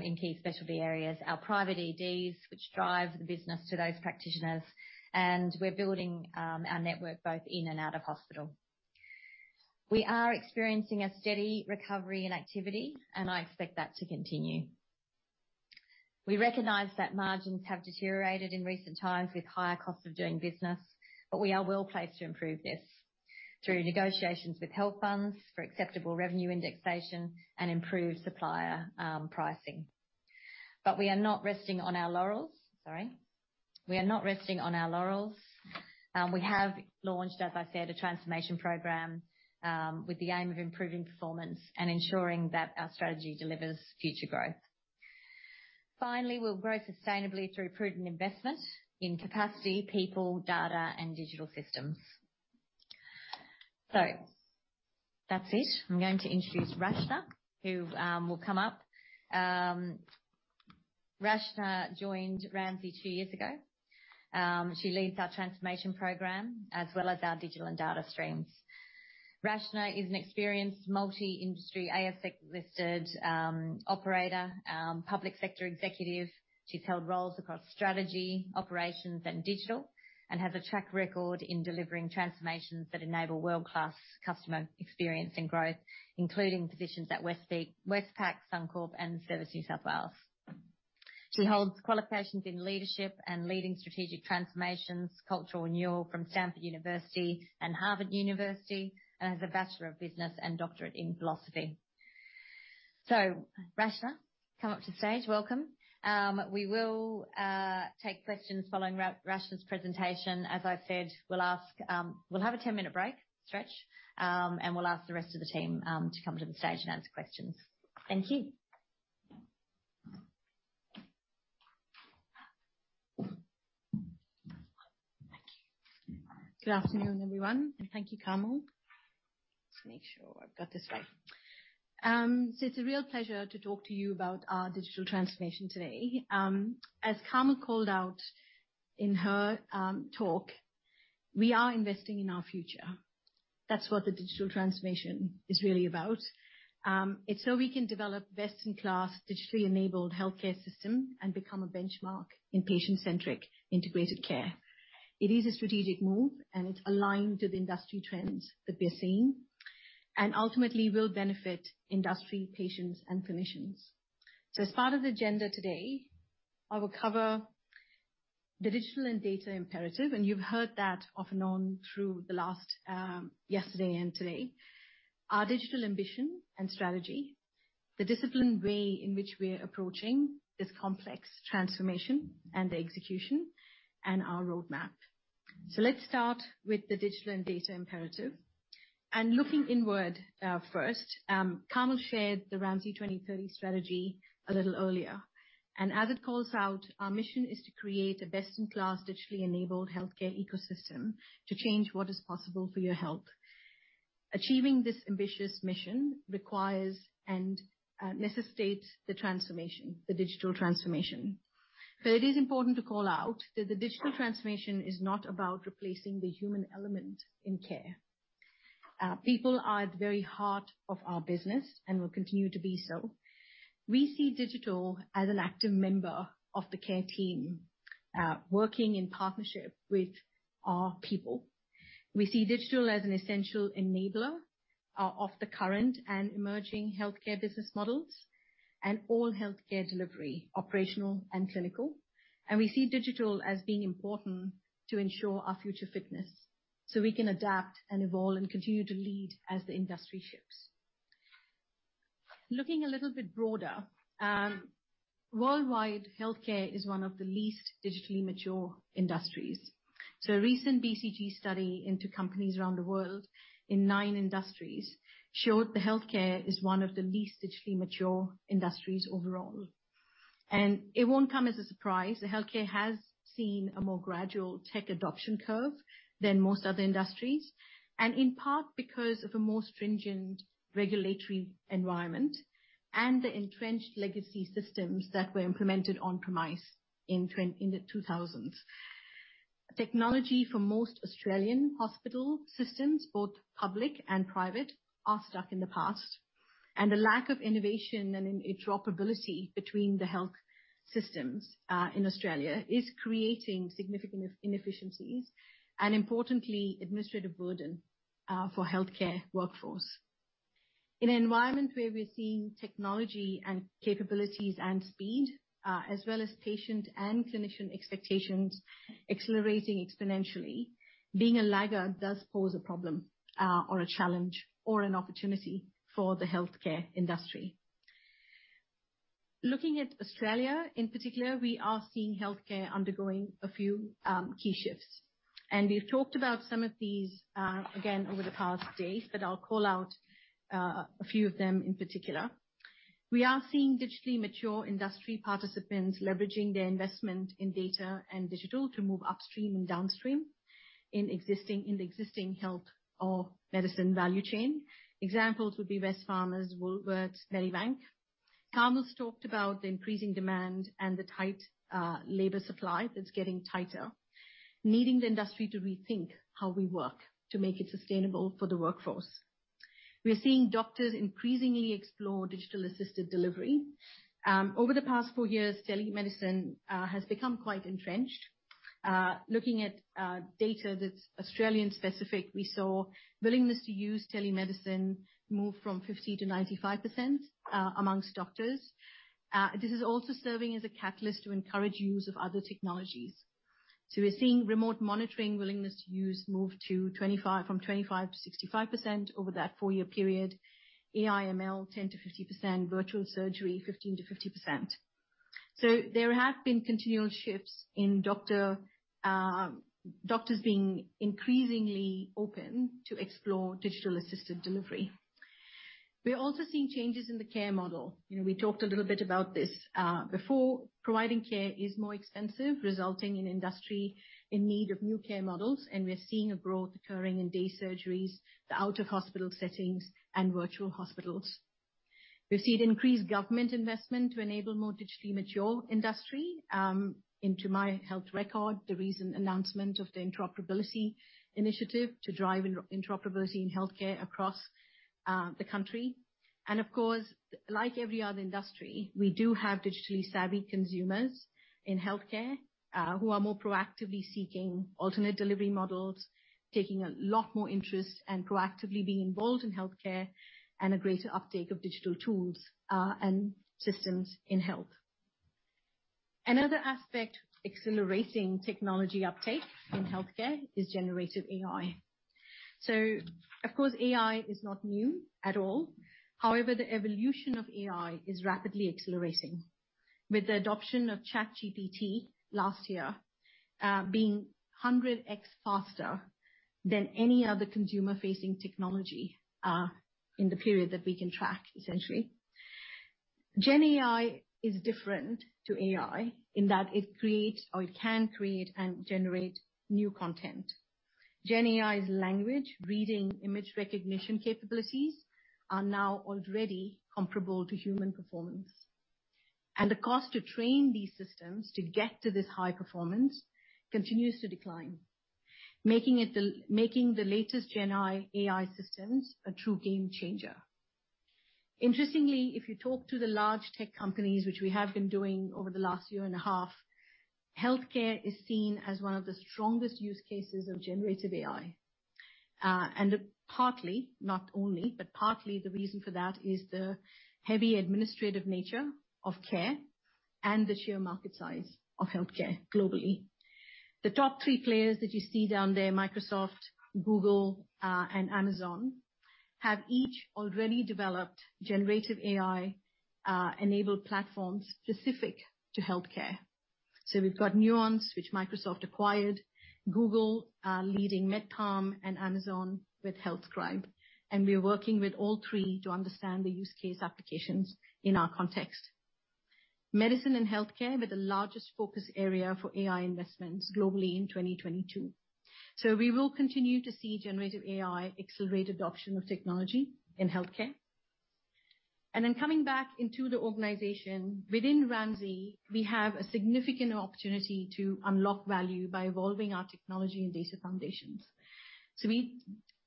in key specialty areas, our private EDs, which drive business to those practitioners, and we're building our network both in and out of hospital. We are experiencing a steady recovery in activity, and I expect that to continue. We recognize that margins have deteriorated in recent times with higher costs of doing business, but we are well placed to improve this through negotiations with health funds for acceptable revenue indexation and improved supplier pricing. We are not resting on our laurels. We have launched, as I said, a transformation program with the aim of improving performance and ensuring that our strategy delivers future growth. Finally, we'll grow sustainably through prudent investment in capacity, people, data, and digital systems. So that's it. I'm going to introduce Rachna, who will come up. Rachna joined Ramsay two years ago. She leads our transformation program as well as our digital and data streams. Rachna is an experienced multi-industry, ASX-listed operator, public sector executive. She's held roles across strategy, operations, and digital, and has a track record in delivering transformations that enable world-class customer experience and growth, including positions at Westpac, Suncorp, and Service New South Wales. She holds qualifications in leadership and leading strategic transformations, cultural renewal from Stanford University and Harvard University, and has a Bachelor of Business and Doctorate in Philosophy. So, Rachna, come up to stage. Welcome. We will take questions following Rachna's presentation. As I said, we'll ask. We'll have a 10-minute break, stretch, and we'll ask the rest of the team to come to the stage and answer questions. Thank you. Thank you. Good afternoon, everyone, and thank you, Carmel. Just make sure I've got this right. So it's a real pleasure to talk to you about our digital transformation today. As Carmel called out in her talk, we are investing in our future. That's what the digital transformation is really about. It's so we can develop best-in-class, digitally-enabled healthcare system and become a benchmark in patient-centric integrated care. It is a strategic move, and it's aligned to the industry trends that we are seeing and ultimately will benefit industry, patients, and clinicians. So as part of the agenda today, I will cover the digital and data imperative, and you've heard that off and on through the last yesterday and today, our digital ambition and strategy, the disciplined way in which we are approaching this complex transformation and the execution, and our roadmap. Let's start with the digital and data imperative. Looking inward, first, Carmel shared the Ramsay 2030 strategy a little earlier, and as it calls out, our mission is to create a best-in-class, digitally-enabled healthcare ecosystem to change what is possible for your health. Achieving this ambitious mission requires and necessitates the transformation, the digital transformation. But it is important to call out that the digital transformation is not about replacing the human element in care. People are at the very heart of our business and will continue to be so. We see digital as an active member of the care team, working in partnership with our people. We see digital as an essential enabler of the current and emerging healthcare business models and all healthcare delivery, operational and clinical. And we see digital as being important to ensure our future fitness, so we can adapt and evolve and continue to lead as the industry shifts. Looking a little bit broader, worldwide, healthcare is one of the least digitally mature industries. So a recent BCG study into companies around the world in nine industries showed that healthcare is one of the least digitally mature industries overall. And it won't come as a surprise. The healthcare has seen a more gradual tech adoption curve than most other industries, and in part, because of a more stringent regulatory environment and the entrenched legacy systems that were implemented on-premise in the 2000s. Technology for most Australian hospital systems, both public and private, are stuck in the past, and the lack of innovation and interoperability between the health systems in Australia is creating significant inefficiencies and importantly, administrative burden for healthcare workforce. In an environment where we're seeing technology and capabilities and speed, as well as patient and clinician expectations accelerating exponentially, being a lagger does pose a problem, or a challenge, or an opportunity for the healthcare industry. Looking at Australia in particular, we are seeing healthcare undergoing a few key shifts, and we've talked about some of these again, over the past days, but I'll call out a few of them in particular. We are seeing digitally mature industry participants leveraging their investment in data and digital to move upstream and downstream in the existing health or medicine value chain. Examples would be Wesfarmers, Woolworths, Medibank. Carmel's talked about the increasing demand and the tight labor supply that's getting tighter, needing the industry to rethink how we work to make it sustainable for the workforce. We are seeing doctors increasingly explore digital assisted delivery. Over the past four years, telemedicine has become quite entrenched. Looking at data that's Australian specific, we saw willingness to use telemedicine move from 50%-95% among doctors. This is also serving as a catalyst to encourage use of other technologies. So we're seeing remote monitoring, willingness to use move from 25%-65% over that four-year period. AI, ML, 10%-50%, virtual surgery, 15%-50%. So there have been continual shifts in doctors being increasingly open to explore digital assisted delivery. We are also seeing changes in the care model. You know, we talked a little bit about this before. Providing care is more expensive, resulting in industry in need of new care models, and we are seeing a growth occurring in day surgeries, the out-of-hospital settings, and virtual hospitals. We've seen increased government investment to enable more digitally mature industry into My Health Record, the recent announcement of the Interoperability Initiative to drive interoperability in healthcare across the country. Of course, like every other industry, we do have digitally savvy consumers in healthcare who are more proactively seeking alternate delivery models, taking a lot more interest and proactively being involved in healthcare, and a greater uptake of digital tools and systems in health. Another aspect, accelerating technology uptake in healthcare is generative AI. So of course, AI is not new at all. However, the evolution of AI is rapidly accelerating, with the adoption of ChatGPT last year being 100x faster than any other consumer-facing technology in the period that we can track, essentially. Gen AI is different to AI in that it creates or it can create and generate new content. Gen AI's language, reading, image recognition capabilities are now already comparable to human performance, and the cost to train these systems to get to this high performance continues to decline, making the latest Gen AI systems a true game changer. Interestingly, if you talk to the large tech companies, which we have been doing over the last year and a half, healthcare is seen as one of the strongest use cases of generative AI. And partly, not only, but partly, the reason for that is the heavy administrative nature of care and the sheer market size of healthcare globally. The top three players that you see down there, Microsoft, Google, and Amazon, have each already developed generative AI enabled platforms specific to healthcare. So we've got Nuance, which Microsoft acquired, Google leading MedLM, and Amazon with HealthScribe, and we are working with all three to understand the use case applications in our context. Medicine and healthcare were the largest focus area for AI investments globally in 2022, so we will continue to see generative AI accelerate adoption of technology in healthcare. And then coming back into the organization, within Ramsay, we have a significant opportunity to unlock value by evolving our technology and data foundations. So we,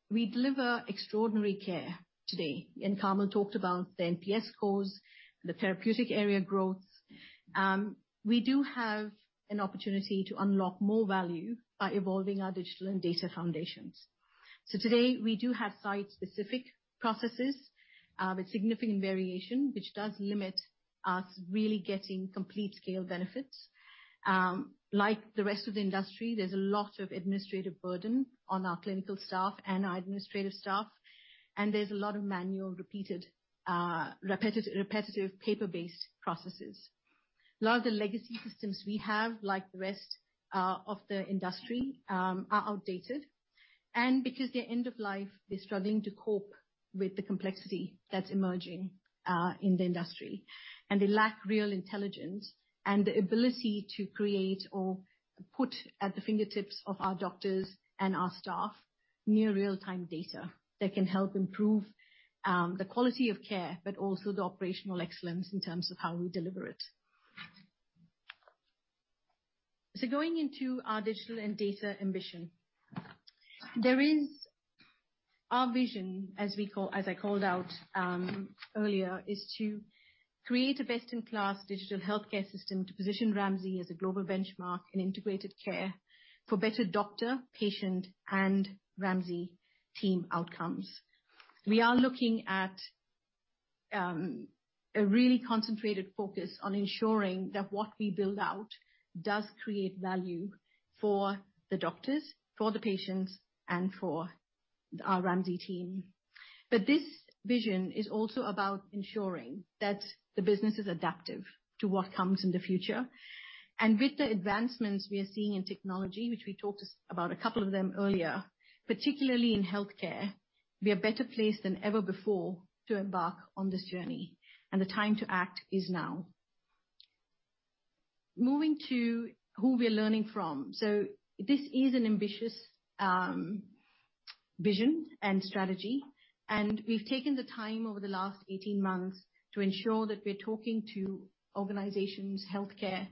we deliver extraordinary care today, and Carmel talked about the NPS scores, the therapeutic area growth. We do have an opportunity to unlock more value by evolving our digital and data foundations. Today, we do have site-specific processes, with significant variation, which does limit us really getting complete scale benefits. Like the rest of the industry, there's a lot of administrative burden on our clinical staff and our administrative staff, and there's a lot of manual, repeated, repetitive, paper-based processes. A lot of the legacy systems we have, like the rest of the industry, are outdated, and because they're end of life, they're struggling to cope with the complexity that's emerging in the industry. They lack real intelligence and the ability to create or put at the fingertips of our doctors and our staff, near real-time data that can help improve the quality of care, but also the operational excellence in terms of how we deliver it. So going into our digital and data ambition, there is... Our vision, as we call, as I called out earlier, is to create a best-in-class digital healthcare system to position Ramsay as a global benchmark in integrated care for better doctor, patient, and Ramsay team outcomes. We are looking at a really concentrated focus on ensuring that what we build out does create value for the doctors, for the patients, and for our Ramsay team. But this vision is also about ensuring that the business is adaptive to what comes in the future. With the advancements we are seeing in technology, which we talked about a couple of them earlier, particularly in healthcare, we are better placed than ever before to embark on this journey, and the time to act is now. Moving to who we are learning from. This is an ambitious vision and strategy, and we've taken the time over the last 18 months to ensure that we're talking to organizations, healthcare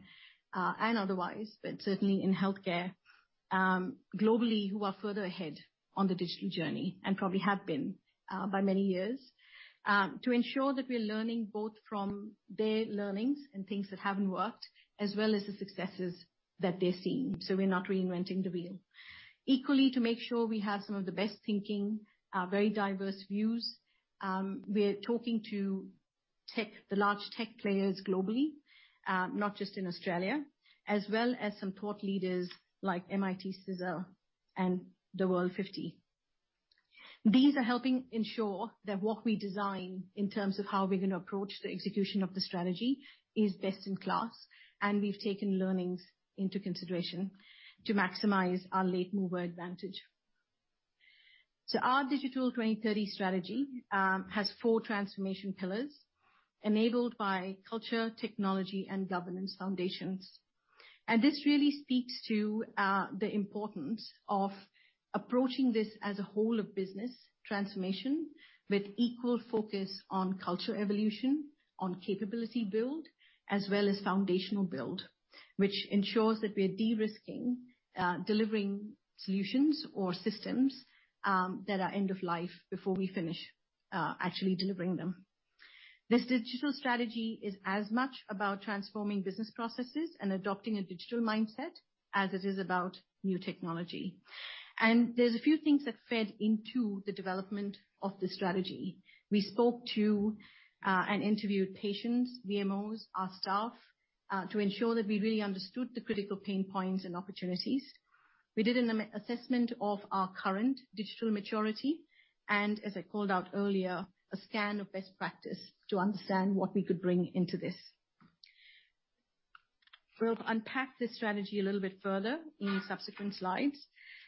and otherwise, but certainly in healthcare, globally, who are further ahead on the digital journey, and probably have been by many years. To ensure that we are learning both from their learnings and things that haven't worked, as well as the successes that they're seeing, so we're not reinventing the wheel. Equally, to make sure we have some of the best thinking, very diverse views, we are talking to tech, the large tech players globally, not just in Australia, as well as some thought leaders like MIT CSAIL and the World 50. These are helping ensure that what we design in terms of how we're going to approach the execution of the strategy is best in class, and we've taken learnings into consideration to maximize our late mover advantage. So our Digital 2030 strategy has four transformation pillars enabled by culture, technology, and governance foundations. This really speaks to the importance of approaching this as a whole of business transformation, with equal focus on culture evolution, on capability build, as well as foundational build, which ensures that we are de-risking, delivering solutions or systems that are end of life before we finish actually delivering them. This digital strategy is as much about transforming business processes and adopting a digital mindset as it is about new technology. There's a few things that fed into the development of the strategy. We spoke to, and interviewed patients, VMOs, our staff, to ensure that we really understood the critical pain points and opportunities. We did an assessment of our current digital maturity, and as I called out earlier, a scan of best practice to understand what we could bring into this. We'll unpack this strategy a little bit further in subsequent slides,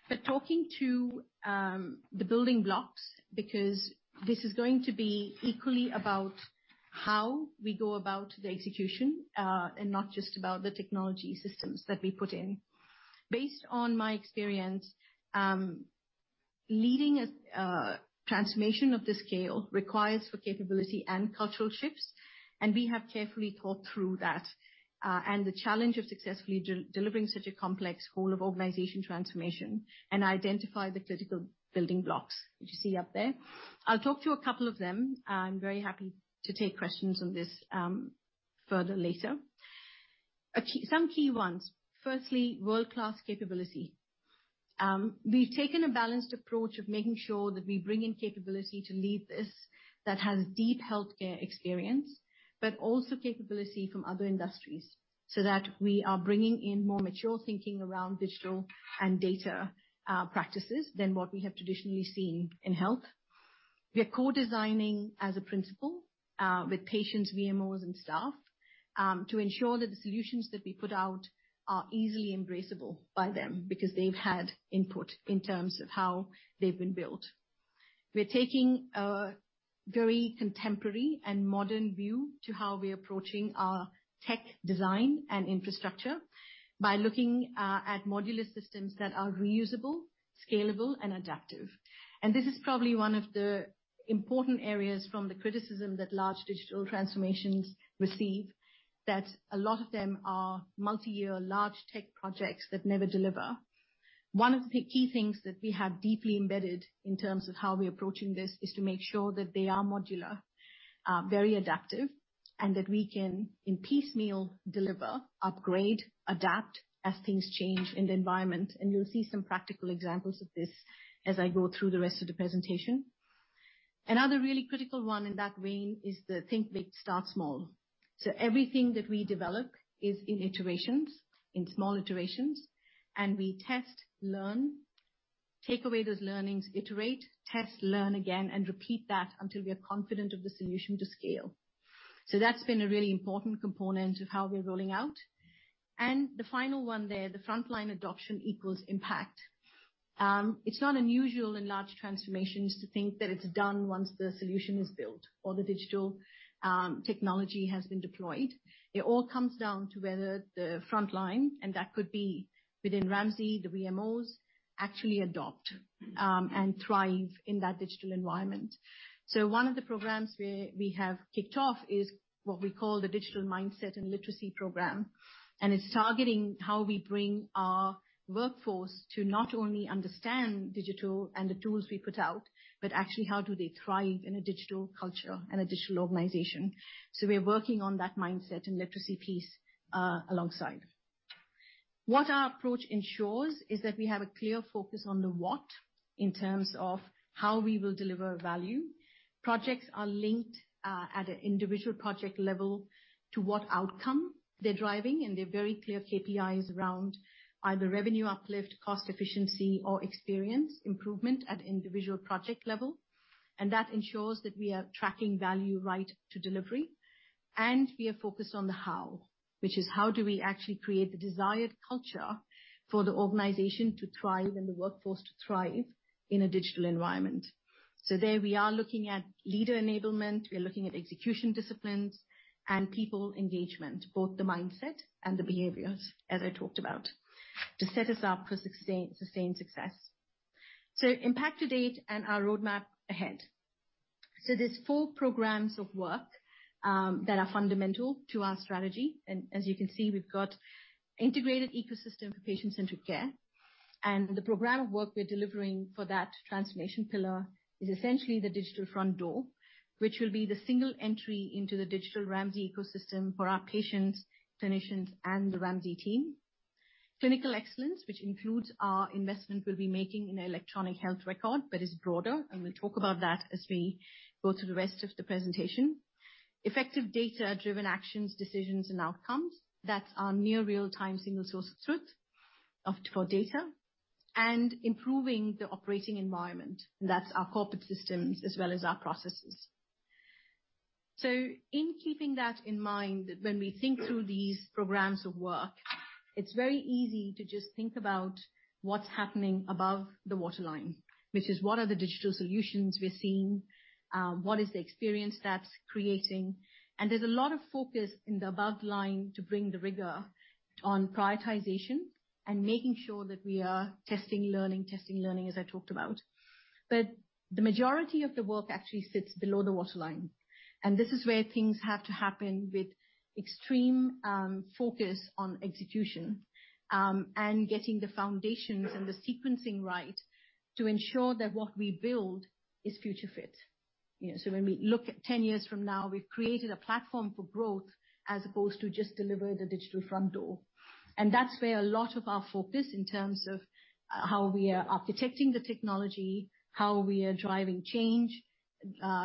but talking to the building blocks, because this is going to be equally about how we go about the execution, and not just about the technology systems that we put in. Based on my experience, leading a transformation of this scale requires four capability and cultural shifts, and we have carefully thought through that, and the challenge of successfully delivering such a complex whole of organization transformation, and identify the critical building blocks which you see up there. I'll talk to a couple of them. I'm very happy to take questions on this further later. Some key ones. Firstly, world-class capability. We've taken a balanced approach of making sure that we bring in capability to lead this, that has deep healthcare experience, but also capability from other industries, so that we are bringing in more mature thinking around digital and data, practices than what we have traditionally seen in health. We are co-designing as a principle, with patients, VMOs, and staff, to ensure that the solutions that we put out are easily embraceable by them because they've had input in terms of how they've been built. We're taking a very contemporary and modern view to how we're approaching our tech design and infrastructure by looking at modular systems that are reusable, scalable, and adaptive. This is probably one of the important areas from the criticism that large digital transformations receive, that a lot of them are multi-year, large tech projects that never deliver. One of the key things that we have deeply embedded in terms of how we're approaching this, is to make sure that they are modular, very adaptive, and that we can, in piecemeal, deliver, upgrade, adapt as things change in the environment. And you'll see some practical examples of this as I go through the rest of the presentation. Another really critical one in that vein is the think big, start small. So everything that we develop is in iterations, in small iterations, and we test, learn, take away those learnings, iterate, test, learn again, and repeat that until we are confident of the solution to scale. So that's been a really important component of how we're rolling out. And the final one there, the frontline adoption equals impact. It's not unusual in large transformations to think that it's done once the solution is built or the digital technology has been deployed. It all comes down to whether the frontline, and that could be within Ramsay, the VMOs, actually adopt and thrive in that digital environment. So one of the programs we have kicked off is what we call the Digital Mindset and Literacy Program. And it's targeting how we bring our workforce to not only understand digital and the tools we put out, but actually how do they thrive in a digital culture and a digital organization. So we are working on that mindset and literacy piece, alongside. What our approach ensures is that we have a clear focus on the what, in terms of how we will deliver value. Projects are linked at an individual project level to what outcome they're driving, and there are very clear KPIs around either revenue uplift, cost efficiency, or experience improvement at individual project level. And that ensures that we are tracking value right to delivery. And we are focused on the how, which is how do we actually create the desired culture for the organization to thrive and the workforce to thrive in a digital environment? So there we are looking at leader enablement, we're looking at execution disciplines and people engagement, both the mindset and the behaviors, as I talked about, to set us up for sustained success. So impact to date and our roadmap ahead. So there's four programs of work that are fundamental to our strategy. And as you can see, we've got integrated ecosystem for patient-centric care. The program of work we're delivering for that transformation pillar is essentially the digital front door, which will be the single entry into the digital Ramsay ecosystem for our patients, clinicians, and the Ramsay team. Clinical excellence, which includes our investment we'll be making in electronic health record, but is broader, and we'll talk about that as we go through the rest of the presentation. Effective data-driven actions, decisions, and outcomes. That's our near real-time single source of truth for data, and improving the operating environment. That's our corporate systems as well as our processes. In keeping that in mind, when we think through these programs of work, it's very easy to just think about what's happening above the waterline, which is, what are the digital solutions we're seeing? What is the experience that's creating? There's a lot of focus in the above line to bring the rigor on prioritization and making sure that we are testing, learning, testing, learning, as I talked about. But the majority of the work actually sits below the waterline, and this is where things have to happen with extreme, focus on execution, and getting the foundations and the sequencing right to ensure that what we build is future fit. You know, so when we look at ten years from now, we've created a platform for growth as opposed to just deliver the digital front door. That's where a lot of our focus in terms of, how we are architecting the technology, how we are driving change,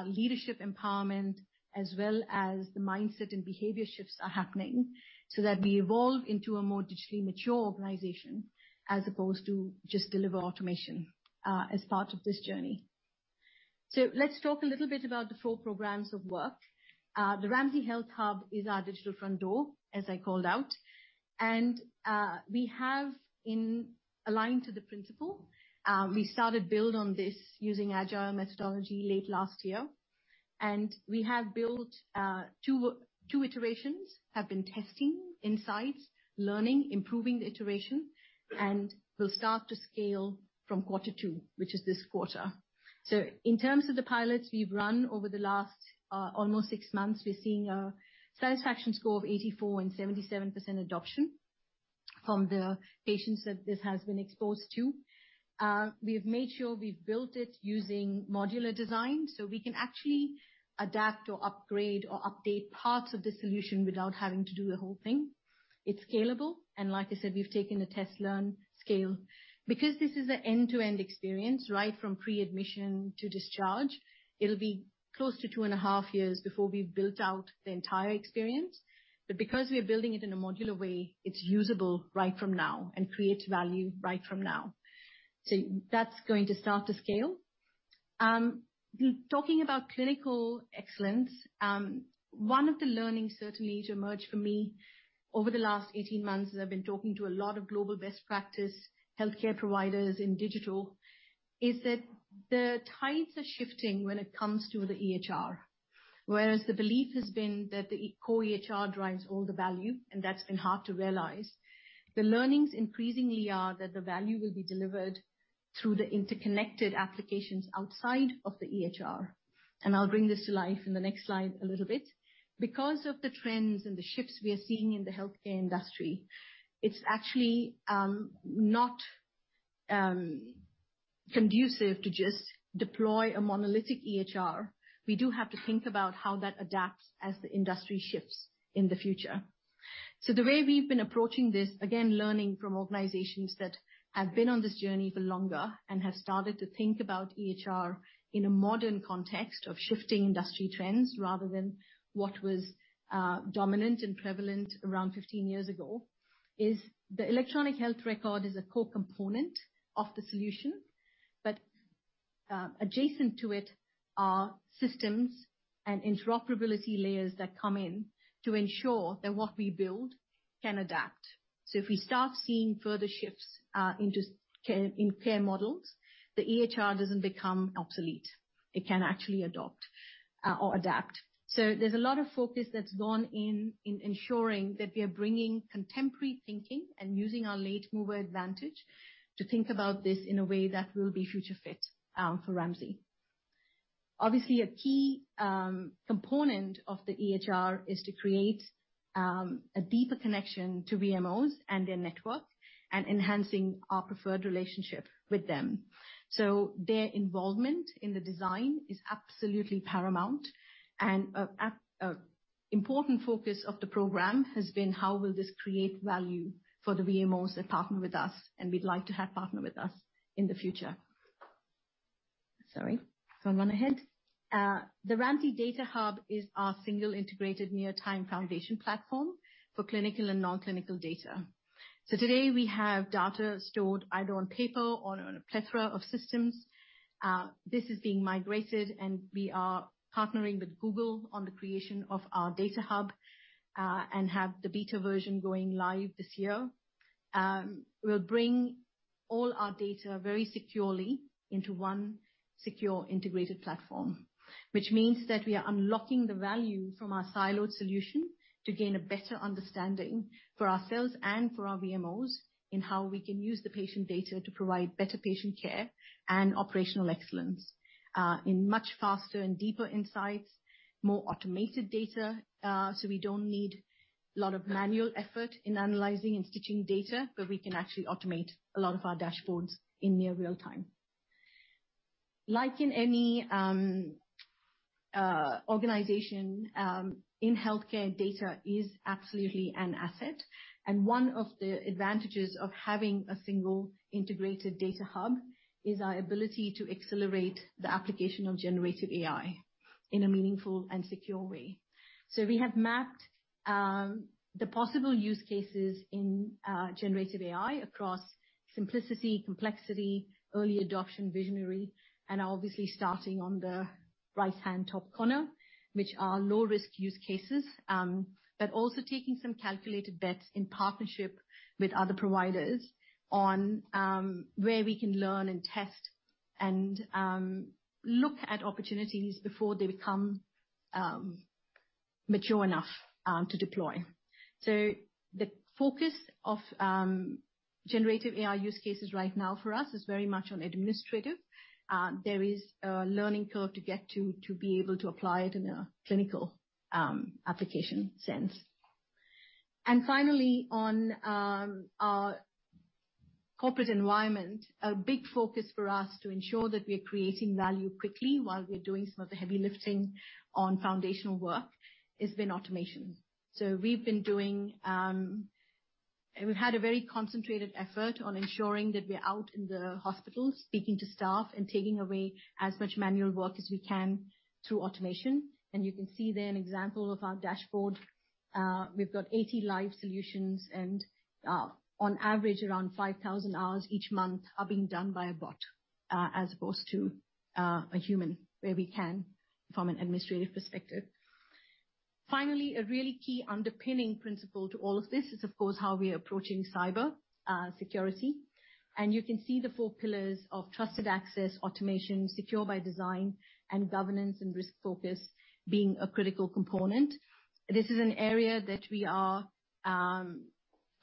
leadership empowerment, as well as the mindset and behavior shifts are happening, so that we evolve into a more digitally mature organization, as opposed to just deliver automation, as part of this journey. Let's talk a little bit about the four programs of work. The Ramsay Health Hub is our digital front door, as I called out, and, we have in aligned to the principle, we started build on this using agile methodology late last year, and we have built, two, two iterations, have been testing insights, learning, improving the iteration, and we'll start to scale from quarter two, which is this quarter. In terms of the pilots we've run over the last almost six months, we're seeing a satisfaction score of 84 and 77% adoption from the patients that this has been exposed to. We have made sure we've built it using modular design, so we can actually adapt or upgrade or update parts of the solution without having to do the whole thing. It's scalable, and like I said, we've taken a test learn scale. Because this is an end-to-end experience, right from pre-admission to discharge, it'll be close to two and a half years before we've built out the entire experience. But because we are building it in a modular way, it's usable right from now and creates value right from now. So that's going to start to scale. Talking about clinical excellence, one of the learnings certainly to emerge for me over the last 18 months, as I've been talking to a lot of global best practice healthcare providers in digital, is that the tides are shifting when it comes to the EHR. Whereas the belief has been that the core EHR drives all the value, and that's been hard to realize. The learnings increasingly are that the value will be delivered through the interconnected applications outside of the EHR, and I'll bring this to life in the next slide a little bit. Because of the trends and the shifts we are seeing in the healthcare industry, it's actually not conducive to just deploy a monolithic EHR. We do have to think about how that adapts as the industry shifts in the future. So the way we've been approaching this, again, learning from organizations that have been on this journey for longer and have started to think about EHR in a modern context of shifting industry trends rather than what was dominant and prevalent around 15 years ago, is the electronic health record a core component of the solution, but adjacent to it are systems and interoperability layers that come in to ensure that what we build can adapt. So if we start seeing further shifts into care, in care models, the EHR doesn't become obsolete. It can actually adopt or adapt. So there's a lot of focus that's gone in ensuring that we are bringing contemporary thinking and using our late mover advantage to think about this in a way that will be future fit for Ramsay. Obviously, a key component of the EHR is to create a deeper connection to VMOs and their network and enhancing our preferred relationship with them. So their involvement in the design is absolutely paramount, and important focus of the program has been how will this create value for the VMOs that partner with us, and we'd like to have partner with us in the future? Sorry, can we run ahead? The Ramsay Data Hub is our single integrated near-time foundation platform for clinical and non-clinical data. So today, we have data stored either on paper or on a plethora of systems. This is being migrated, and we are partnering with Google on the creation of our data hub, and have the beta version going live this year. We'll bring all our data very securely into one secure integrated platform, which means that we are unlocking the value from our siloed solution to gain a better understanding for ourselves and for our VMOs, in how we can use the patient data to provide better patient care and operational excellence, in much faster and deeper insights, more automated data, so we don't need a lot of manual effort in analyzing and stitching data, but we can actually automate a lot of our dashboards in near real time. Like in any organization in healthcare, data is absolutely an asset, and one of the advantages of having a single integrated data hub is our ability to accelerate the application of generative AI in a meaningful and secure way. So we have mapped the possible use cases in generative AI across simplicity, complexity, early adoption, visionary, and obviously starting on the right-hand top corner, which are low-risk use cases, but also taking some calculated bets in partnership with other providers on where we can learn and test and look at opportunities before they become mature enough to deploy. So the focus of generative AI use cases right now for us is very much on administrative. There is a learning curve to get to, to be able to apply it in a clinical application sense. And finally, on our corporate environment, a big focus for us to ensure that we are creating value quickly while we're doing some of the heavy lifting on foundational work, has been automation. So we've been doing... We've had a very concentrated effort on ensuring that we're out in the hospitals, speaking to staff and taking away as much manual work as we can through automation. And you can see there an example of our dashboard. We've got 80 live solutions, and on average, around 5,000 hours each month are being done by a bot as opposed to a human, where we can from an administrative perspective. Finally, a really key underpinning principle to all of this is, of course, how we are approaching cyber security. And you can see the four pillars of trusted access, automation, secure by design, and governance and risk focus being a critical component. This is an area that we are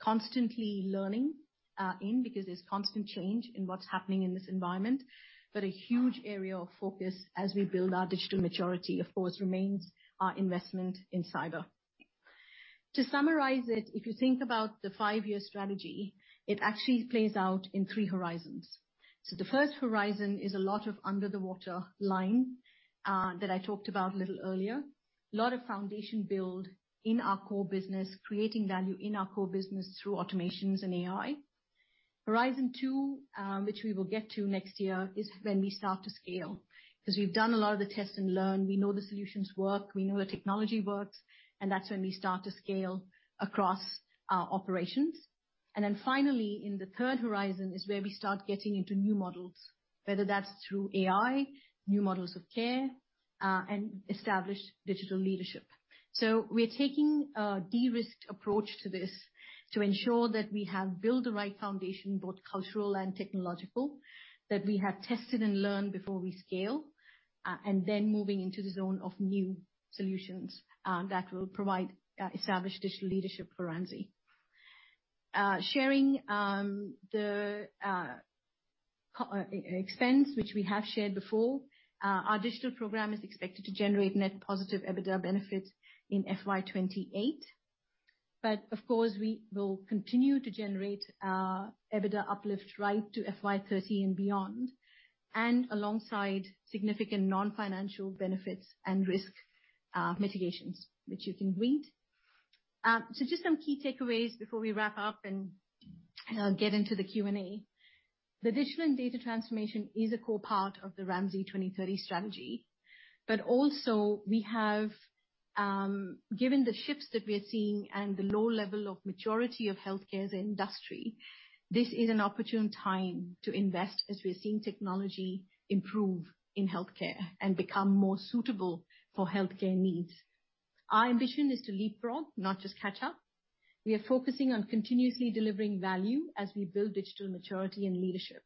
constantly learning in because there's constant change in what's happening in this environment. But a huge area of focus as we build our digital maturity, of course, remains our investment in cyber. To summarize it, if you think about the five-year strategy, it actually plays out in three horizons. So the first horizon is a lot of under the water line, that I talked about a little earlier. A lot of foundation build in our core business, creating value in our core business through automations and AI. Horizon two, which we will get to next year, is when we start to scale, 'cause we've done a lot of the test and learn. We know the solutions work, we know the technology works, and that's when we start to scale across our operations. And then finally, in the third horizon, is where we start getting into new models, whether that's through AI, new models of care, and establish digital leadership. So we are taking a de-risked approach to this to ensure that we have built the right foundation, both cultural and technological, that we have tested and learned before we scale, and then moving into the zone of new solutions that will provide established digital leadership for Ramsay. Sharing the expense, which we have shared before, our digital program is expected to generate net positive EBITDA benefits in FY 2028. But of course, we will continue to generate EBITDA uplift right to FY 2030 and beyond, and alongside significant non-financial benefits and risk mitigations, which you can read. So just some key takeaways before we wrap up and get into the Q&A. The digital and data transformation is a core part of the Ramsay 2030 strategy, but also we have, given the shifts that we are seeing and the low level of maturity of healthcare as an industry, this is an opportune time to invest, as we are seeing technology improve in healthcare and become more suitable for healthcare needs. Our ambition is to leapfrog, not just catch up. We are focusing on continuously delivering value as we build digital maturity and leadership.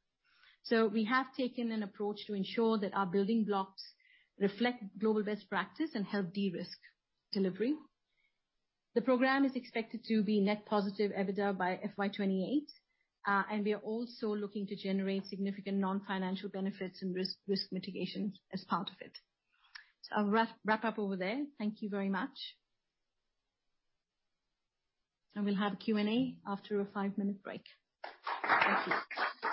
So we have taken an approach to ensure that our building blocks reflect global best practice and help de-risk delivery. The program is expected to be net positive EBITDA by FY28, and we are also looking to generate significant non-financial benefits and risk, risk mitigations as part of it. So I'll wrap, wrap up over there. Thank you very much. We'll have a Q&A after a five-minute break. Thank you.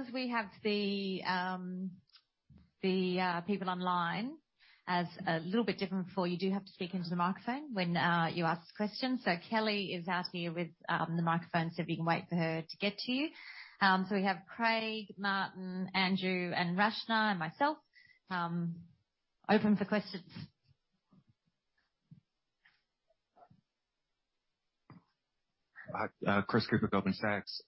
Because we have the people online, as a little bit different before, you do have to speak into the microphone when you ask the question. So Kelly is out here with the microphone, so if you can wait for her to get to you. So we have Craig, Martyn, Andrew, and Rachna, and myself open for questions. Hi, Chris Cooper, Goldman Sachs.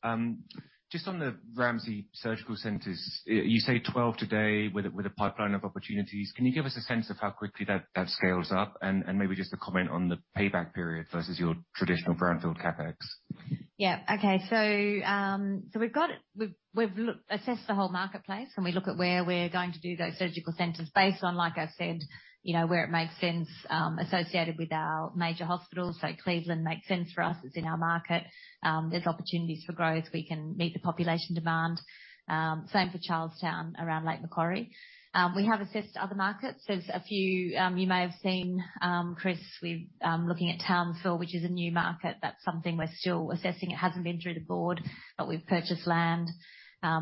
Just on the Ramsay Surgical Centres, you say 12 today with a pipeline of opportunities. Can you give us a sense of how quickly that scales up? And maybe just a comment on the payback period versus your traditional brownfield CapEx. Yeah. Okay. So, we've assessed the whole marketplace, and we look at where we're going to do those surgical centers based on, like I said, you know, where it makes sense, associated with our major hospitals. So Cleveland makes sense for us. It's in our market. There's opportunities for growth. We can meet the population demand. Same for Charlestown, around Lake Macquarie. We have assessed other markets. There's a few. You may have seen, Chris, we're looking at Townsville, which is a new market. That's something we're still assessing. It hasn't been through the board, but we've purchased land.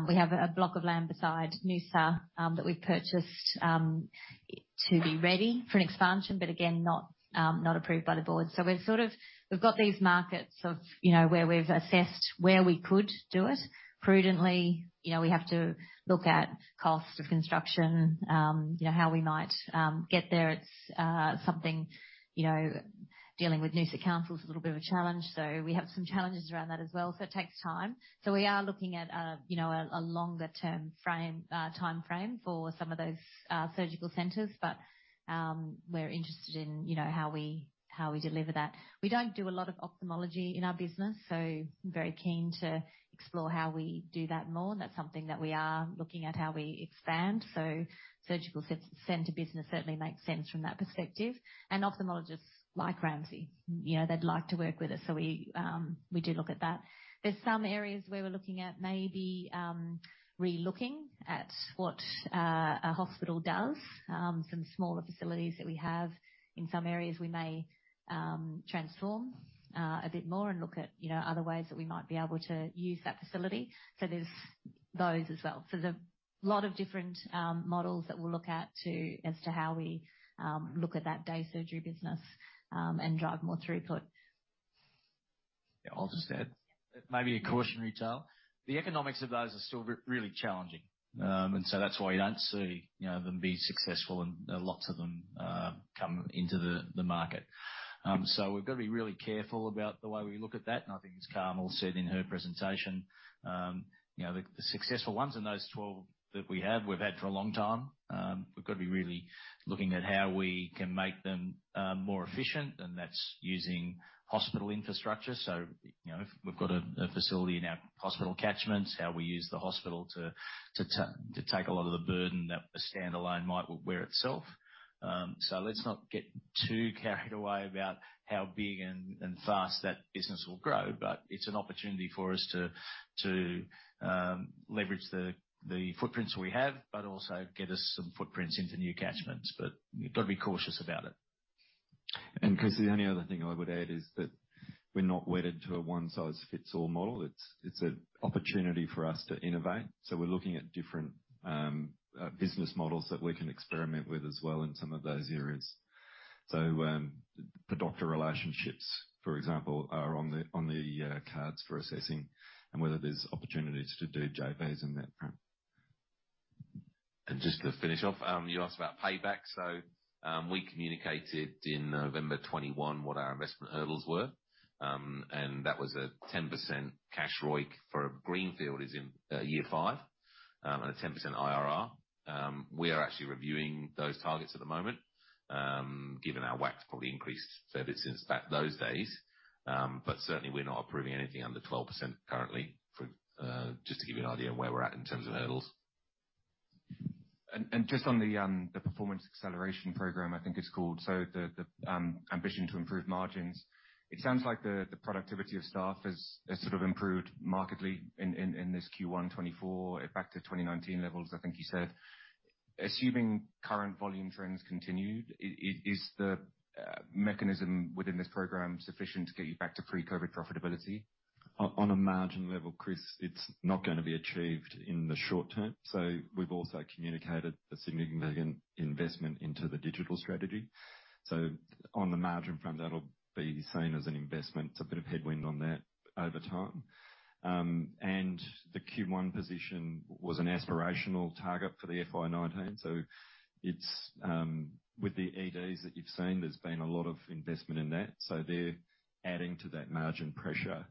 We have a block of land beside Noosa that we've purchased to be ready for an expansion, but again, not approved by the board. So we're sort of we've got these markets of, you know, where we've assessed where we could do it prudently. You know, we have to look at cost of construction, you know, how we might get there. It's something, you know, dealing with Noosa Council is a little bit of a challenge, so we have some challenges around that as well, so it takes time. So we are looking at a, you know, a longer term frame, time frame for some of those, surgical centers, but, we're interested in, you know, how we, how we deliver that. We don't do a lot of ophthalmology in our business, so very keen to explore how we do that more. And that's something that we are looking at, how we expand. So surgical center business certainly makes sense from that perspective. Ophthalmologists like Ramsay, you know, they'd like to work with us, so we do look at that. There's some areas where we're looking at maybe relooking at what a hospital does. Some smaller facilities that we have in some areas we may transform a bit more and look at, you know, other ways that we might be able to use that facility. So there's those as well. So there's a lot of different models that we'll look at to as to how we look at that day surgery business and drive more throughput. Yeah, I'll just add, maybe a cautionary tale. The economics of those are still really challenging. And so that's why you don't see, you know, them being successful, and lots of them come into the market. So we've got to be really careful about the way we look at that. And I think, as Carmel said in her presentation, you know, the successful ones in those 12 that we have, we've had for a long time. We've got to be really looking at how we can make them more efficient, and that's using hospital infrastructure. So, you know, if we've got a facility in our hospital catchments, how we use the hospital to take a lot of the burden that a standalone might bear itself. So, let's not get too carried away about how big and fast that business will grow, but it's an opportunity for us to leverage the footprints we have, but also get us some footprints into new catchments. But you've got to be cautious about it. And, Chris, the only other thing I would add is that we're not wedded to a one-size-fits-all model. It's an opportunity for us to innovate. So we're looking at different business models that we can experiment with as well in some of those areas. So, the doctor relationships, for example, are on the cards for assessing and whether there's opportunities to do JVs in that frame. Just to finish off, you asked about payback. So, we communicated in November 2021 what our investment hurdles were, and that was a 10% cash ROIC for a greenfield in year 5, and a 10% IRR. We are actually reviewing those targets at the moment, given our WACC's probably increased further since back those days. But certainly, we're not approving anything under 12% currently, for just to give you an idea of where we're at in terms of hurdles. And just on the Performance Acceleration Program, I think it's called, so the ambition to improve margins. It sounds like the productivity of staff has sort of improved markedly in this Q1 2024, back to 2019 levels, I think you said. Assuming current volume trends continued, is the mechanism within this program sufficient to get you back to pre-COVID profitability? On a margin level, Chris, it's not going to be achieved in the short term, so we've also communicated a significant investment into the digital strategy. So on the margin front, that'll be seen as an investment. It's a bit of headwind on that over time. And the Q1 position was an aspirational target for the FY 2019, so it's with the EDs that you've seen, there's been a lot of investment in that, so they're adding to that margin pressure.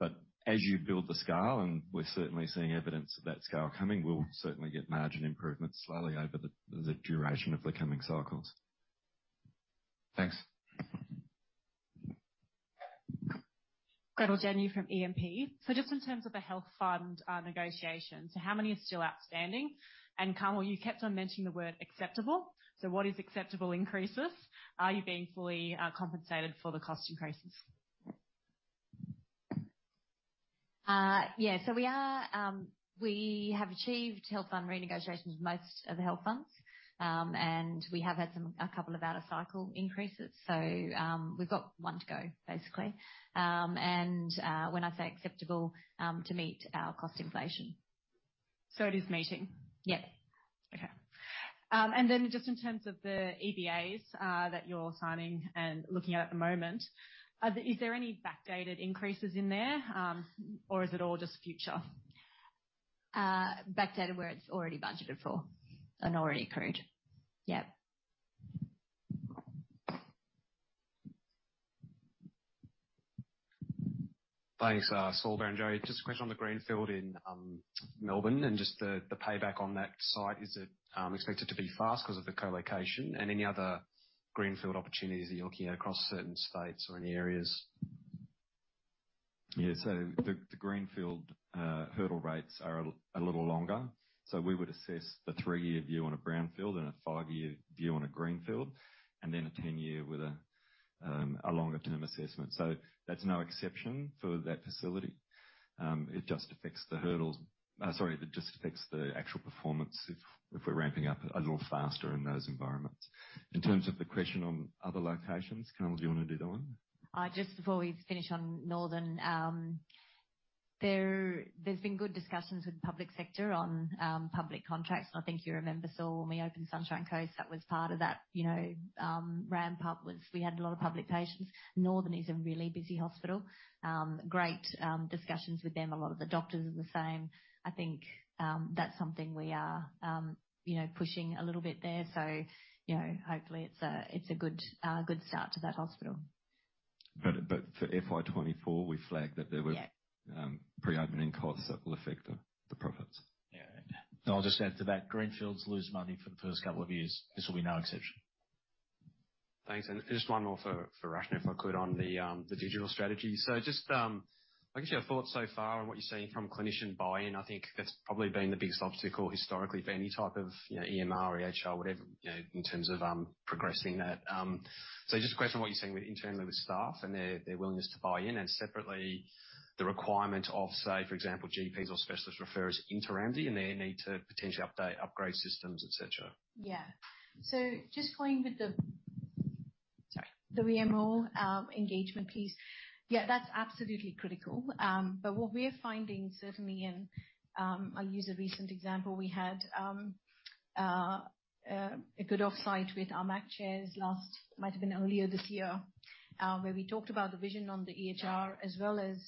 But as you build the scale, and we're certainly seeing evidence of that scale coming, we'll certainly get margin improvements slowly over the duration of the coming cycles. Thanks. Gretel Janu from E&P. So just in terms of the health fund negotiations, so how many are still outstanding? And Carmel, you kept on mentioning the word acceptable. So what is acceptable increases? Are you being fully compensated for the cost increases? Yeah. So we have achieved health fund renegotiations with most of the health funds. And we have had some, a couple of out-of-cycle increases, so we've got one to go, basically. And when I say acceptable, to meet our cost inflation. It is meeting? Yep. Okay. And then just in terms of the EBAs that you're signing and looking at the moment, is there any backdated increases in there? Or is it all just future? Backdated, where it's already budgeted for and already occurred. Yep. Thanks, Saul, Barrenjoey. Just a question on the greenfield in, Melbourne, and just the, the payback on that site. Is it, expected to be fast because of the co-location? And any other greenfield opportunities that you're looking at across certain states or any areas? Yeah. So the greenfield hurdle rates are a little longer. So we would assess the three-year view on a brownfield and a five-year view on a greenfield, and then a 10-year with a longer-term assessment. So that's no exception for that facility. It just affects the hurdles. Sorry, it just affects the actual performance if we're ramping up a little faster in those environments. In terms of the question on other locations, Carmel, do you want to do that one? Just before we finish on Northern, there, there's been good discussions with the public sector on public contracts. I think you remember, Saul, when we opened Sunshine Coast, that was part of that, you know, ramp up, was we had a lot of public patients. Northern is a really busy hospital. Great discussions with them. A lot of the doctors are the same. I think that's something we are, you know, pushing a little bit there. So, you know, hopefully, it's a good start to that hospital. But for FY24, we flagged that there were- Yeah. pre-opening costs that will affect the profits. Yeah. I'll just add to that. Greenfields lose money for the first couple of years. This will be no exception. Thanks. And just one more for Rachna, if I could, on the digital strategy. So just I guess your thoughts so far on what you're seeing from clinician buy-in. I think that's probably been the biggest obstacle historically for any type of, you know, EMR or EHR, whatever, you know, in terms of progressing that. So just a question on what you're seeing internally with staff and their willingness to buy in, and separately, the requirement of, say, for example, GPs or specialists referrers into Ramsay, and their need to potentially update, upgrade systems, et cetera. Yeah. So just going with the-... The VMO engagement piece. Yeah, that's absolutely critical. But what we're finding, certainly in, I'll use a recent example. We had a good offsite with our MAC chairs last, might have been earlier this year, where we talked about the vision on the EHR, as well as,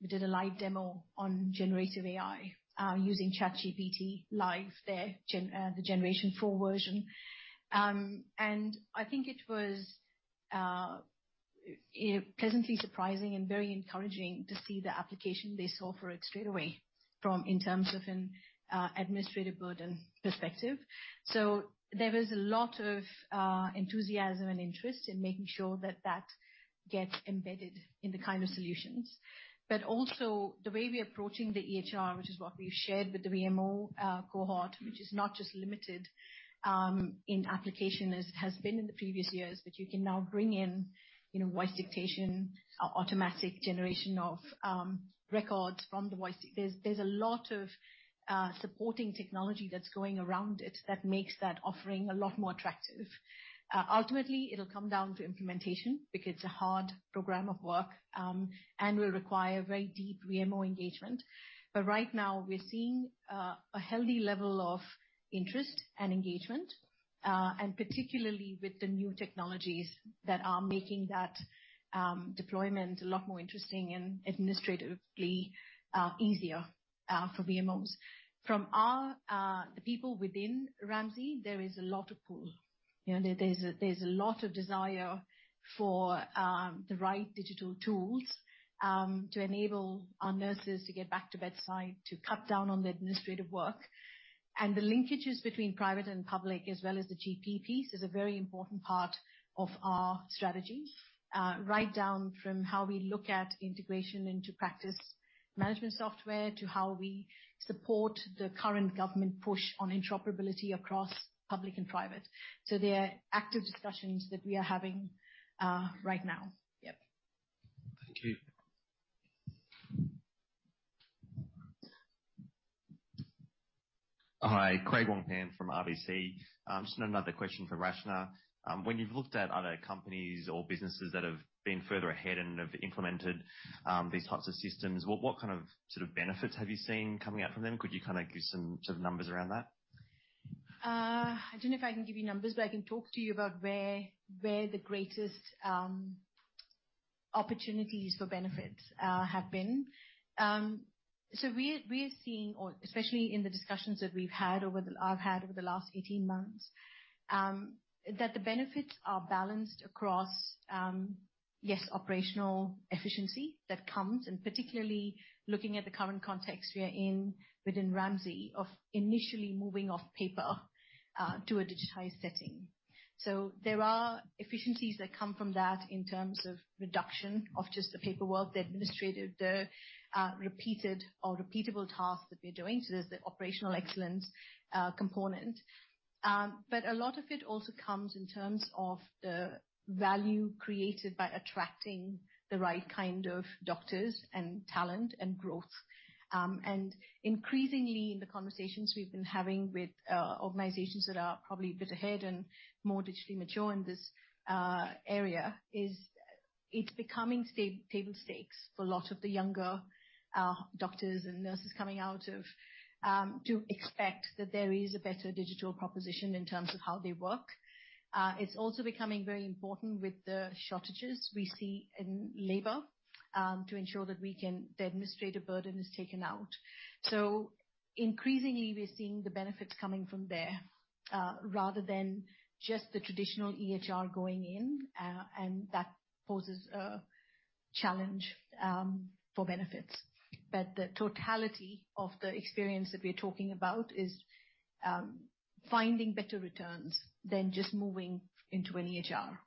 we did a live demo on generative AI, using ChatGPT Live, their gen, the generation four version. And I think it was pleasantly surprising and very encouraging to see the application they saw for it straight away from in terms of an administrative burden perspective. So there is a lot of enthusiasm and interest in making sure that that gets embedded in the kind of solutions. But also the way we're approaching the EHR, which is what we've shared with the VMO cohort, which is not just limited in application, as has been in the previous years, but you can now bring in, you know, voice dictation, automatic generation of records from the voice. There's a lot of supporting technology that's going around it that makes that offering a lot more attractive. Ultimately, it'll come down to implementation because it's a hard program of work, and will require very deep VMO engagement. But right now, we're seeing a healthy level of interest and engagement, and particularly with the new technologies that are making that deployment a lot more interesting and administratively easier for VMOs. From the people within Ramsay, there is a lot of pull. You know, there's a, there's a lot of desire for the right digital tools to enable our nurses to get back to bedside, to cut down on the administrative work. And the linkages between private and public, as well as the GP piece, is a very important part of our strategy, right down from how we look at integration into practice management software to how we support the current government push on interoperability across public and private. So they are active discussions that we are having, right now. Yep. Thank you. Hi, Craig Wong-Pan from RBC. Just another question for Rachna. When you've looked at other companies or businesses that have been further ahead and have implemented these types of systems, what, what kind of sort of benefits have you seen coming out from them? Could you kind of give some sort of numbers around that? I don't know if I can give you numbers, but I can talk to you about where the greatest opportunities for benefits have been. So we're seeing or especially in the discussions that I've had over the last 18 months that the benefits are balanced across operational efficiency that comes, and particularly looking at the current context we are in within Ramsay, of initially moving off paper to a digitized setting. So there are efficiencies that come from that in terms of reduction of just the paperwork, the administrative, the repeated or repeatable tasks that we're doing. So there's the operational excellence component. But a lot of it also comes in terms of the value created by attracting the right kind of doctors and talent and growth. And increasingly, the conversations we've been having with organizations that are probably a bit ahead and more digitally mature in this area is it's becoming table stakes for a lot of the younger doctors and nurses coming out of to expect that there is a better digital proposition in terms of how they work. It's also becoming very important with the shortages we see in labor to ensure that we can the administrative burden is taken out. So increasingly, we're seeing the benefits coming from there rather than just the traditional EHR going in and that poses a challenge for benefits. But the totality of the experience that we're talking about is finding better returns than just moving into an EHR.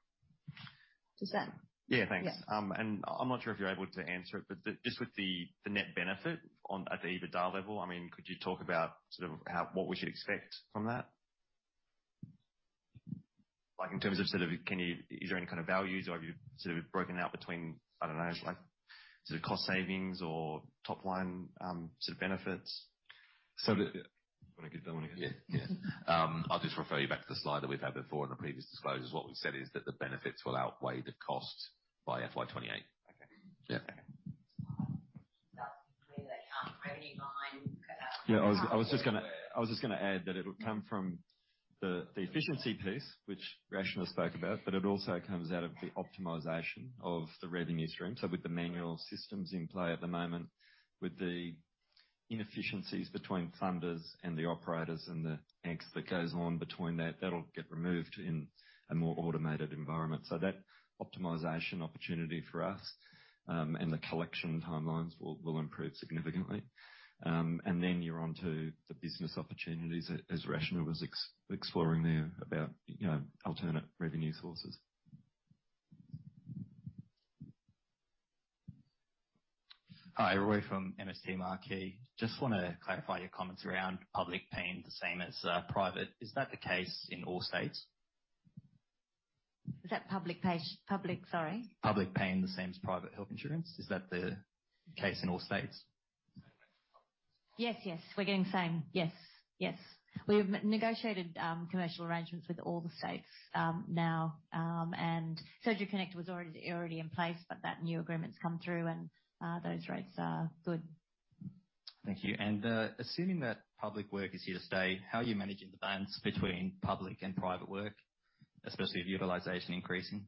Does that- Yeah, thanks. Yes. I'm not sure if you're able to answer it, but just with the net benefit on, at the EBITDA level, I mean, could you talk about sort of how, what we should expect from that? Like, in terms of sort of, can you... Is there any kind of values, or have you sort of broken out between, I don't know, like sort of cost savings or top line, sort of benefits? Want to get that one again? Yeah. Yeah. I'll just refer you back to the slide that we've had before in the previous disclosures. What we've said is that the benefits will outweigh the costs by FY 2028. Okay. Yeah. Okay. That's where they come, ready, line. Yeah, I was just gonna add that it'll come from the efficiency piece, which Rachna spoke about, but it also comes out of the optimization of the revenue stream. So with the manual systems in play at the moment, with the inefficiencies between funders and the operators and the angst that goes on between that, that'll get removed in a more automated environment. So that optimization opportunity for us, and the collection timelines will improve significantly. And then you're on to the business opportunities, as Rachna was exploring there, about, you know, alternate revenue sources. Hi, Roy from MST Marquee. Just want to clarify your comments around public paying the same as private. Is that the case in all states? Is that public page... Sorry? Public paying the same as private health insurance, is that the case in all states? Yes, yes, we're getting the same. Yes. Yes. We've negotiated commercial arrangements with all the states now, and Surgery Connect was already in place, but that new agreement's come through, and those rates are good. Thank you. And, assuming that public work is here to stay, how are you managing the balance between public and private work, especially with utilization increasing?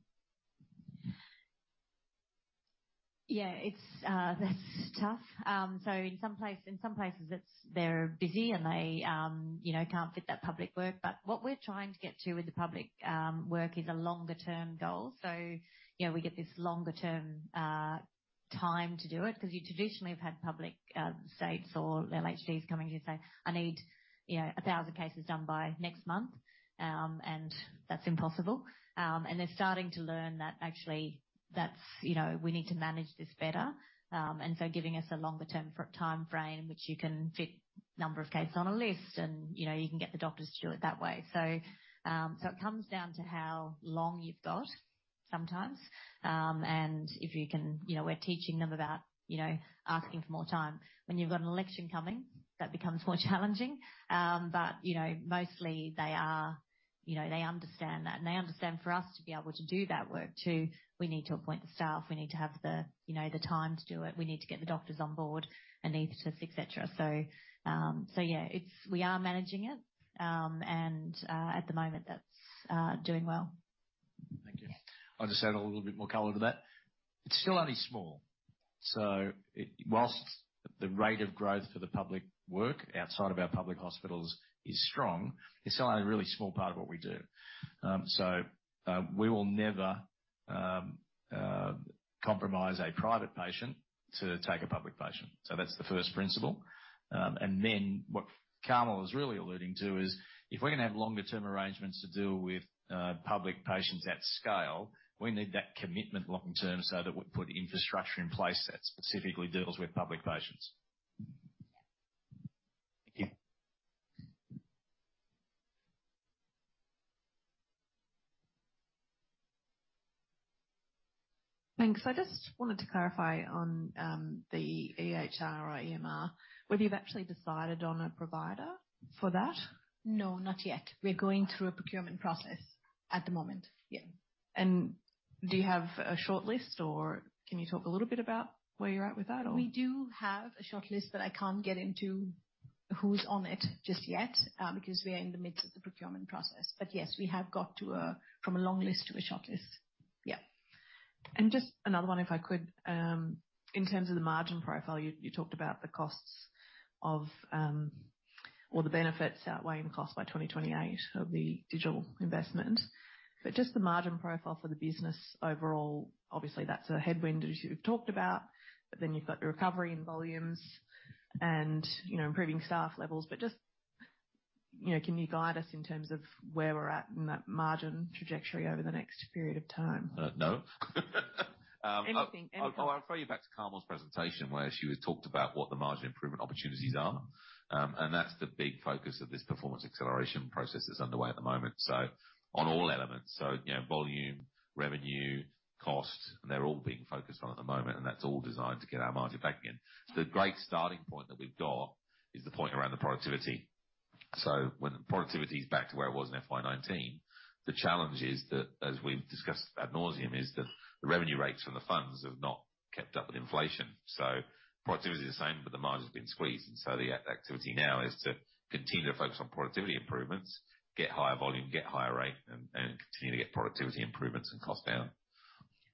Yeah, it's, that's tough. So in some places, it's, they're busy, and they, you know, can't fit that public work. But what we're trying to get to with the public work is a longer-term goal. So, you know, we get this longer-term time to do it, because you traditionally have had public states or LHDs coming to you and say, "I need, you know, 1,000 cases done by next month." And that's impossible. And they're starting to learn that actually, that's, you know, we need to manage this better. And so giving us a longer-term timeframe, which you can fit number of cases on a list, and, you know, you can get the doctors to do it that way. So, so it comes down to how long you've got sometimes. And if you can... You know, we're teaching them about, you know, asking for more time. When you've got an election coming, that becomes more challenging. But, you know, mostly they are, you know, they understand that, and they understand for us to be able to do that work, too, we need to appoint the staff, we need to have the, you know, the time to do it, we need to get the doctors on board, anesthetists, et cetera. So, yeah, it's—we are managing it. And, at the moment, that's doing well. Thank you. I'll just add a little bit more color to that. It's still only small, so while the rate of growth for the public work outside of our public hospitals is strong, it's still only a really small part of what we do. We will never compromise a private patient to take a public patient. So that's the first principle. And then what Carmel is really alluding to is, if we're going to have longer-term arrangements to deal with public patients at scale, we need that commitment long term, so that we put infrastructure in place that specifically deals with public patients. Thank you. Thanks. I just wanted to clarify on, the EHR or EMR, whether you've actually decided on a provider for that? No, not yet. We're going through a procurement process at the moment. Yeah. Do you have a shortlist, or can you talk a little bit about where you're at with that, or? We do have a shortlist, but I can't get into who's on it just yet, because we are in the midst of the procurement process. But yes, we have got to a, from a long list to a short list. Yeah. And just another one, if I could. In terms of the margin profile, you, you talked about the costs of, or the benefits outweighing costs by 2028 of the digital investment. But just the margin profile for the business overall, obviously, that's a headwind, as you've talked about, but then you've got the recovery in volumes and, you know, improving staff levels. But just, you know, can you guide us in terms of where we're at in that margin trajectory over the next period of time? Uh, no. Anything, anything. I'll refer you back to Carmel's presentation, where she was talked about what the margin improvement opportunities are. And that's the big focus of this performance acceleration process that's underway at the moment, so on all elements. So, you know, volume, revenue, costs, and they're all being focused on at the moment, and that's all designed to get our margin back again. The great starting point that we've got is the point around the productivity. So when productivity is back to where it was in FY 2019, the challenge is that, as we've discussed ad nauseam, is that the revenue rates from the funds have not kept up with inflation. So productivity is the same, but the margin's been squeezed, and so the activity now is to continue to focus on productivity improvements, get higher volume, get higher rate, and, and continue to get productivity improvements and cost down.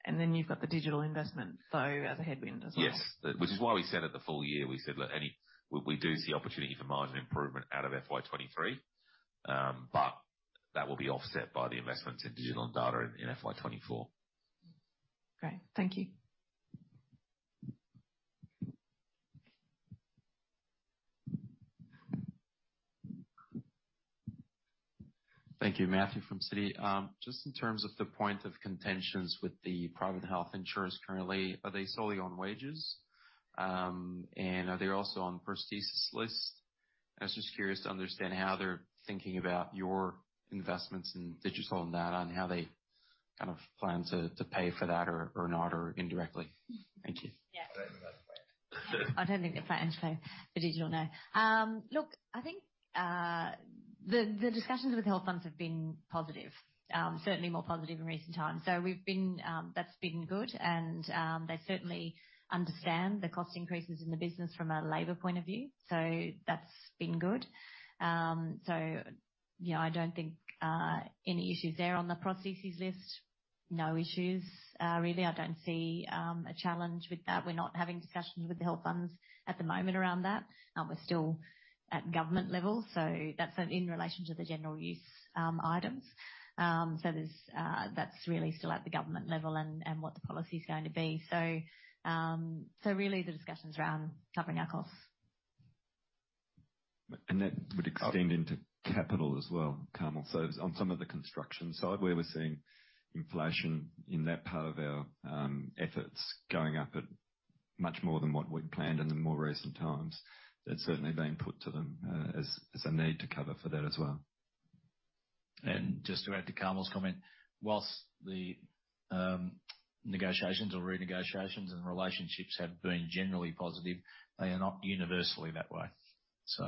And then you've got the digital investment, so as a headwind as well? Yes, which is why we said at the full year, we said, look, we do see opportunity for margin improvement out of FY 2023. But that will be offset by the investments in digital and data in FY 2024. Great. Thank you. Thank you. Mathieu, from Citi. Just in terms of the points of contention with the private health insurance currently, are they solely on wages? And are they also on prosthesis lists? I was just curious to understand how they're thinking about your investments in digital and data and how they kind of plan to, to pay for that or, or not, or indirectly. Thank you. Yeah. I don't think they're planning. I don't think they're planning to pay for digital, no. Look, I think the discussions with health funds have been positive, certainly more positive in recent times. So we've been. That's been good, and they certainly understand the cost increases in the business from a labor point of view, so that's been good. So, you know, I don't think any issues there on the prosthesis list, no issues. Really, I don't see a challenge with that. We're not having discussions with the health funds at the moment around that. We're still at government level, so that's in relation to the general use items. So that's really still at the government level and what the policy is going to be. So really, the discussions are around covering our costs. And that would extend into capital as well, Carmel. So on some of the construction side, where we're seeing inflation in that part of our efforts going up at much more than what we'd planned in the more recent times, that's certainly been put to them as a need to cover for that as well. Just to add to Carmel's comment, while the negotiations or renegotiations and relationships have been generally positive, they are not universally that way, so.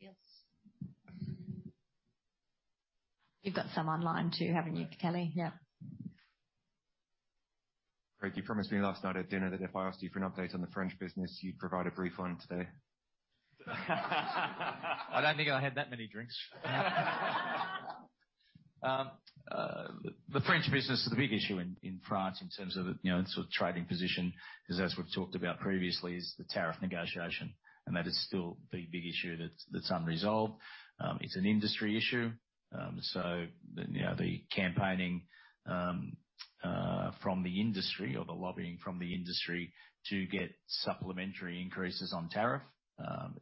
Yes. You've got some online, too, haven't you, Kelly? Yeah. Craig, you promised me last night at dinner that if I asked you for an update on the French business, you'd provide a brief one today. I don't think I had that many drinks. The French business, the big issue in France in terms of, you know, sort of trading position, is, as we've talked about previously, is the tariff negotiation, and that is still the big issue that's unresolved. It's an industry issue. So, you know, the campaigning from the industry or the lobbying from the industry to get supplementary increases on tariff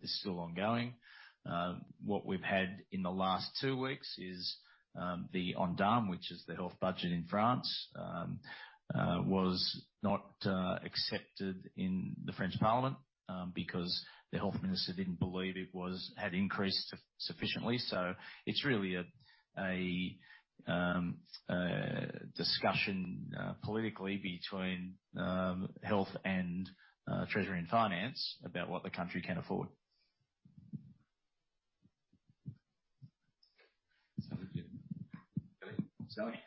is still ongoing. What we've had in the last two weeks is the ONDAM, which is the health budget in France, was not accepted in the French parliament, because the health minister didn't believe it was-- had increased sufficiently. So it's really a discussion politically between Health and Treasury and Finance about what the country can afford. Sally, Sally?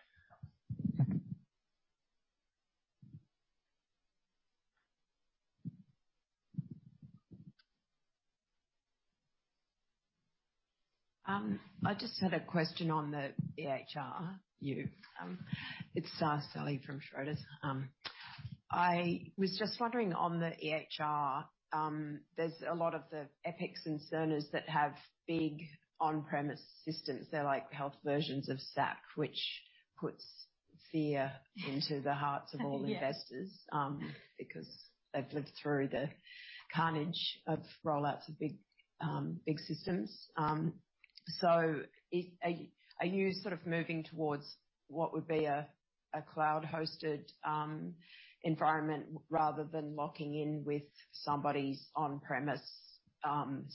I just had a question on the EHR. It's Sally from Schroders. I was just wondering, on the EHR, there's a lot of the Epics and Cerners that have big on-premise systems. They're like health versions of SAP, which puts fear into the hearts of all investors- Yes. because they've lived through the carnage of rollouts of big systems. So it... Are you sort of moving towards what would be a cloud-hosted environment, rather than locking in with somebody's on-premise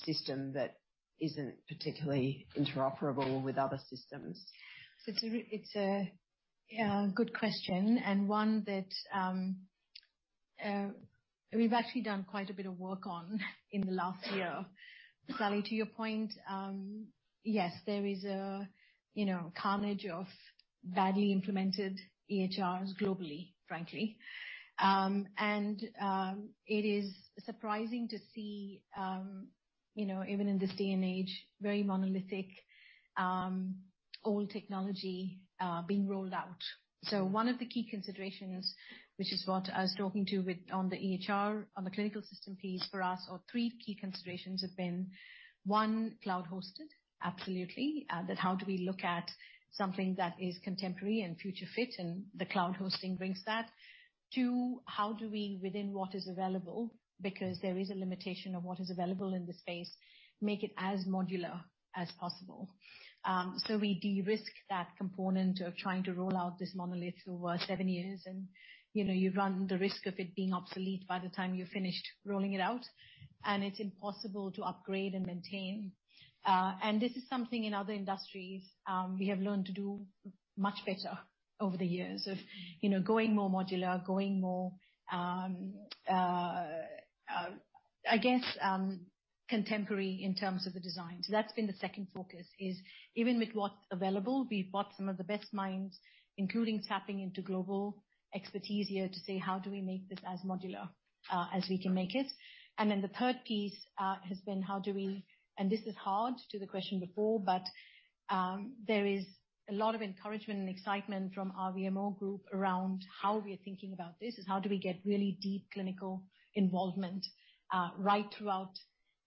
system that isn't particularly interoperable with other systems? So it's a good question, and one that we've actually done quite a bit of work on in the last year. Sally, to your point, yes, there is a you know, carnage of badly implemented EHRs globally, frankly. And it is surprising to see, you know, even in this day and age, very monolithic old technology being rolled out. So one of the key considerations, which is what I was talking to with, on the EHR, on the clinical system piece for us, or three key considerations have been, one, cloud-hosted, absolutely. That how do we look at something that is contemporary and future fit, and the cloud hosting brings that. Two, how do we, within what is available, because there is a limitation of what is available in this space, make it as modular as possible? So we de-risk that component of trying to roll out this monolith over seven years, and, you know, you run the risk of it being obsolete by the time you're finished rolling it out, and it's impossible to upgrade and maintain. And this is something in other industries, we have learned to do much better over the years of, you know, going more modular, going more, I guess, contemporary in terms of the design. So that's been the second focus, is even with what's available, we've brought some of the best minds, including tapping into global expertise here, to say: How do we make this as modular, as we can make it? And then the third piece has been, how do we—and this is hard to the question before, but there is a lot of encouragement and excitement from our VMO group around how we are thinking about this, is how do we get really deep clinical involvement right throughout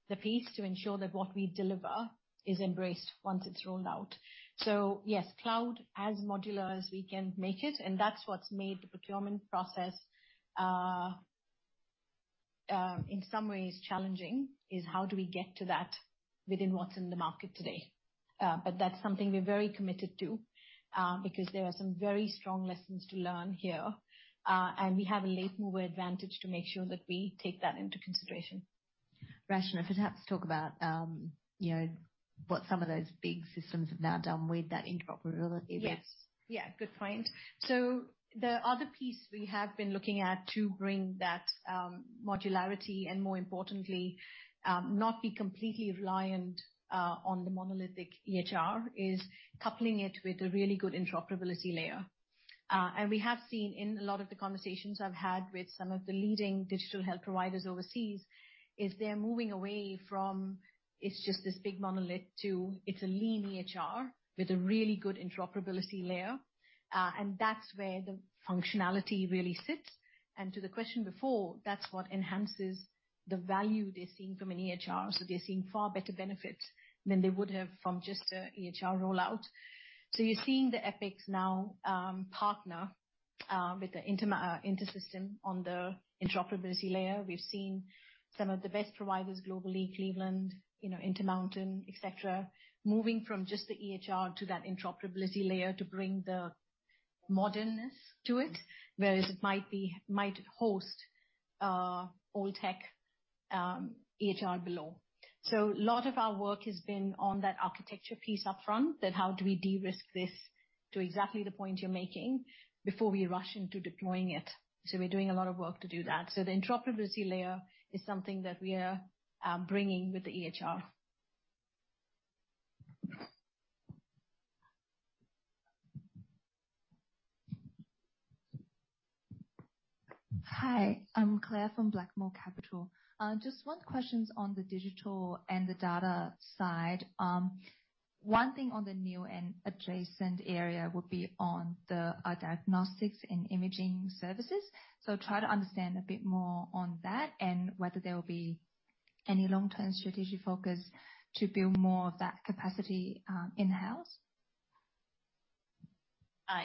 the piece to ensure that what we deliver is embraced once it's rolled out. So yes, cloud, as modular as we can make it, and that's what's made the procurement process in some ways challenging, is how do we get to that within what's in the market today? But that's something we're very committed to because there are some very strong lessons to learn here and we have a late mover advantage to make sure that we take that into consideration. Rachna, perhaps talk about, you know, what some of those big systems have now done with that interoperability. Yes. Yeah, good point. So the other piece we have been looking at to bring that, modularity and more importantly, not be completely reliant, on the monolithic EHR, is coupling it with a really good interoperability layer. And we have seen in a lot of the conversations I've had with some of the leading digital health providers overseas, is they're moving away from it's just this big monolith to it's a lean EHR with a really good interoperability layer. And that's where the functionality really sits. And to the question before, that's what enhances the value they're seeing from an EHR. So they're seeing far better benefits than they would have from just a EHR rollout. So you're seeing the Epics now, partner, with the InterSystems on the interoperability layer. We've seen some of the best providers globally, Cleveland, you know, Intermountain, et cetera, moving from just the EHR to that interoperability layer to bring the-... modernness to it, whereas it might host old tech, EHR below. So a lot of our work has been on that architecture piece up front, then how do we de-risk this to exactly the point you're making before we rush into deploying it? So we're doing a lot of work to do that. So the interoperability layer is something that we are bringing with the EHR. Hi, I'm Claire from Blackmore Capital. Just one question on the digital and the data side. One thing on the new and adjacent area would be on the diagnostics and imaging services. So try to understand a bit more on that and whether there will be any long-term strategic focus to build more of that capacity in-house.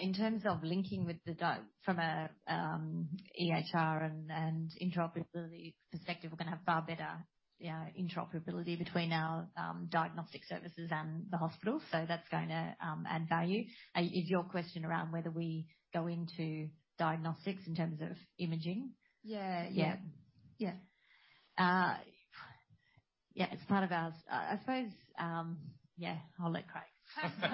In terms of linking from a EHR and interoperability perspective, we're going to have far better, yeah, interoperability between our diagnostic services and the hospital, so that's going to add value. Is your question around whether we go into diagnostics in terms of imaging? Yeah. Yeah. Yeah. Yeah, it's part of our... I suppose, yeah, I'll let Craig.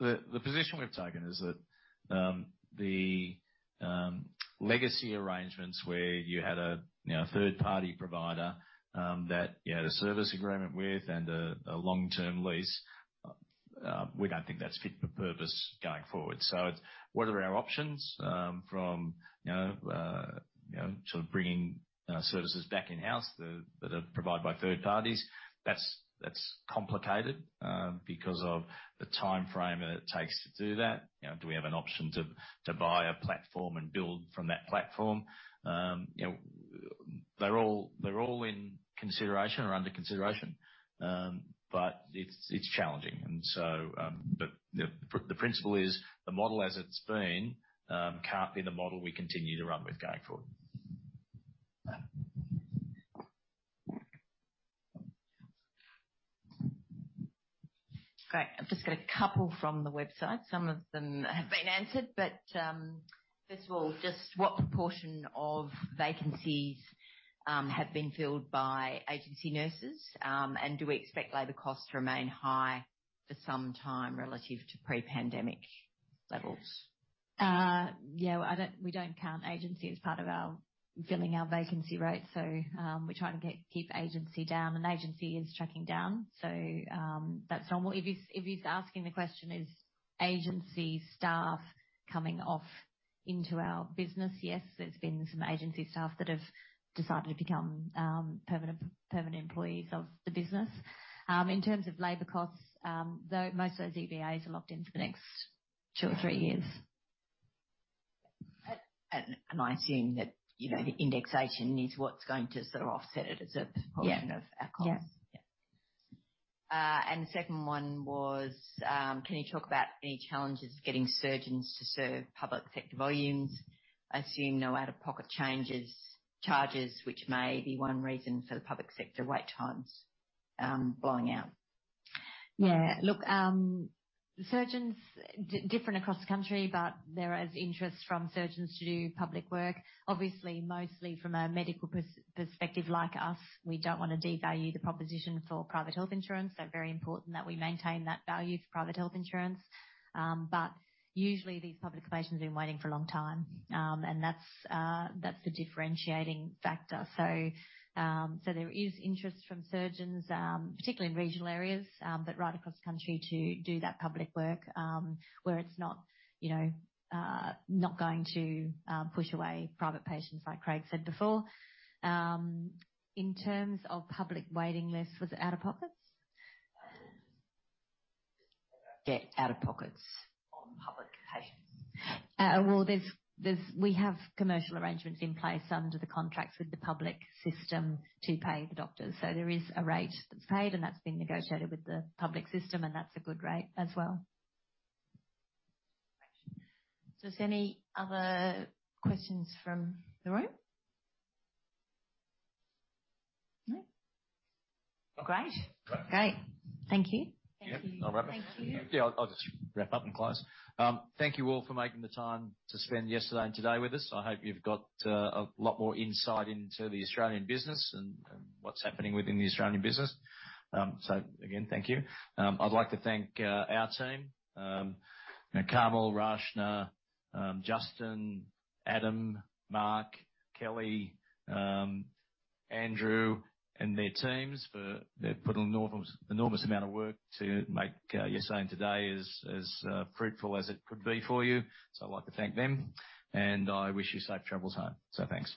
The position we've taken is that the legacy arrangements where you had a you know third-party provider that you had a service agreement with and a long-term lease we don't think that's fit for purpose going forward. So what are our options? From you know you know sort of bringing services back in-house that are provided by third parties. That's complicated because of the time frame that it takes to do that. You know, do we have an option to buy a platform and build from that platform? You know, they're all in consideration or under consideration but it's challenging. And so but the principle is the model as it's been can't be the model we continue to run with going forward. Great. I've just got a couple from the website. Some of them have been answered, but, first of all, just what proportion of vacancies have been filled by agency nurses? And do we expect labor costs to remain high for some time relative to pre-pandemic levels? Yeah, we don't count agency as part of our filling our vacancy rate, so we're trying to get, keep agency down, and agency is tracking down, so that's normal. If he's, if he's asking the question, is agency staff coming off into our business? Yes, there's been some agency staff that have decided to become permanent, permanent employees of the business. In terms of labor costs, though, most of those EBAs are locked in for the next two or three years. And I assume that, you know, the indexation is what's going to sort of offset it as a- Yeah. proportion of our cost. Yeah. And the second one was, can you talk about any challenges getting surgeons to serve public sector volumes? I assume no out-of-pocket changes, charges, which may be one reason for the public sector wait times, blowing out. Yeah. Look, surgeons different across the country, but there is interest from surgeons to do public work. Obviously, mostly from a medical perspective like us, we don't want to devalue the proposition for private health insurance. So very important that we maintain that value for private health insurance. But usually, these public patients have been waiting for a long time, and that's the differentiating factor. So, so there is interest from surgeons, particularly in regional areas, but right across the country to do that public work, where it's not, you know, not going to push away private patients like Craig said before. In terms of public waiting lists, was it out-of-pockets? Yeah, out-of-pockets on public patients. Well, we have commercial arrangements in place under the contracts with the public system to pay the doctors. So there is a rate that's paid, and that's been negotiated with the public system, and that's a good rate as well. Is there any other questions from the room? No? Great. Great. Great. Thank you. Thank you. Yeah. I'll wrap up. Yeah, I'll just wrap up and close. Thank you all for making the time to spend yesterday and today with us. I hope you've got a lot more insight into the Australian business and what's happening within the Australian business. So again, thank you. I'd like to thank our team, Carmel, Rachna, Justin, Adam, Mark, Kelly, Andrew, and their teams for putting enormous, enormous amount of work to make yesterday and today as fruitful as it could be for you. So I'd like to thank them, and I wish you safe travels home. So thanks.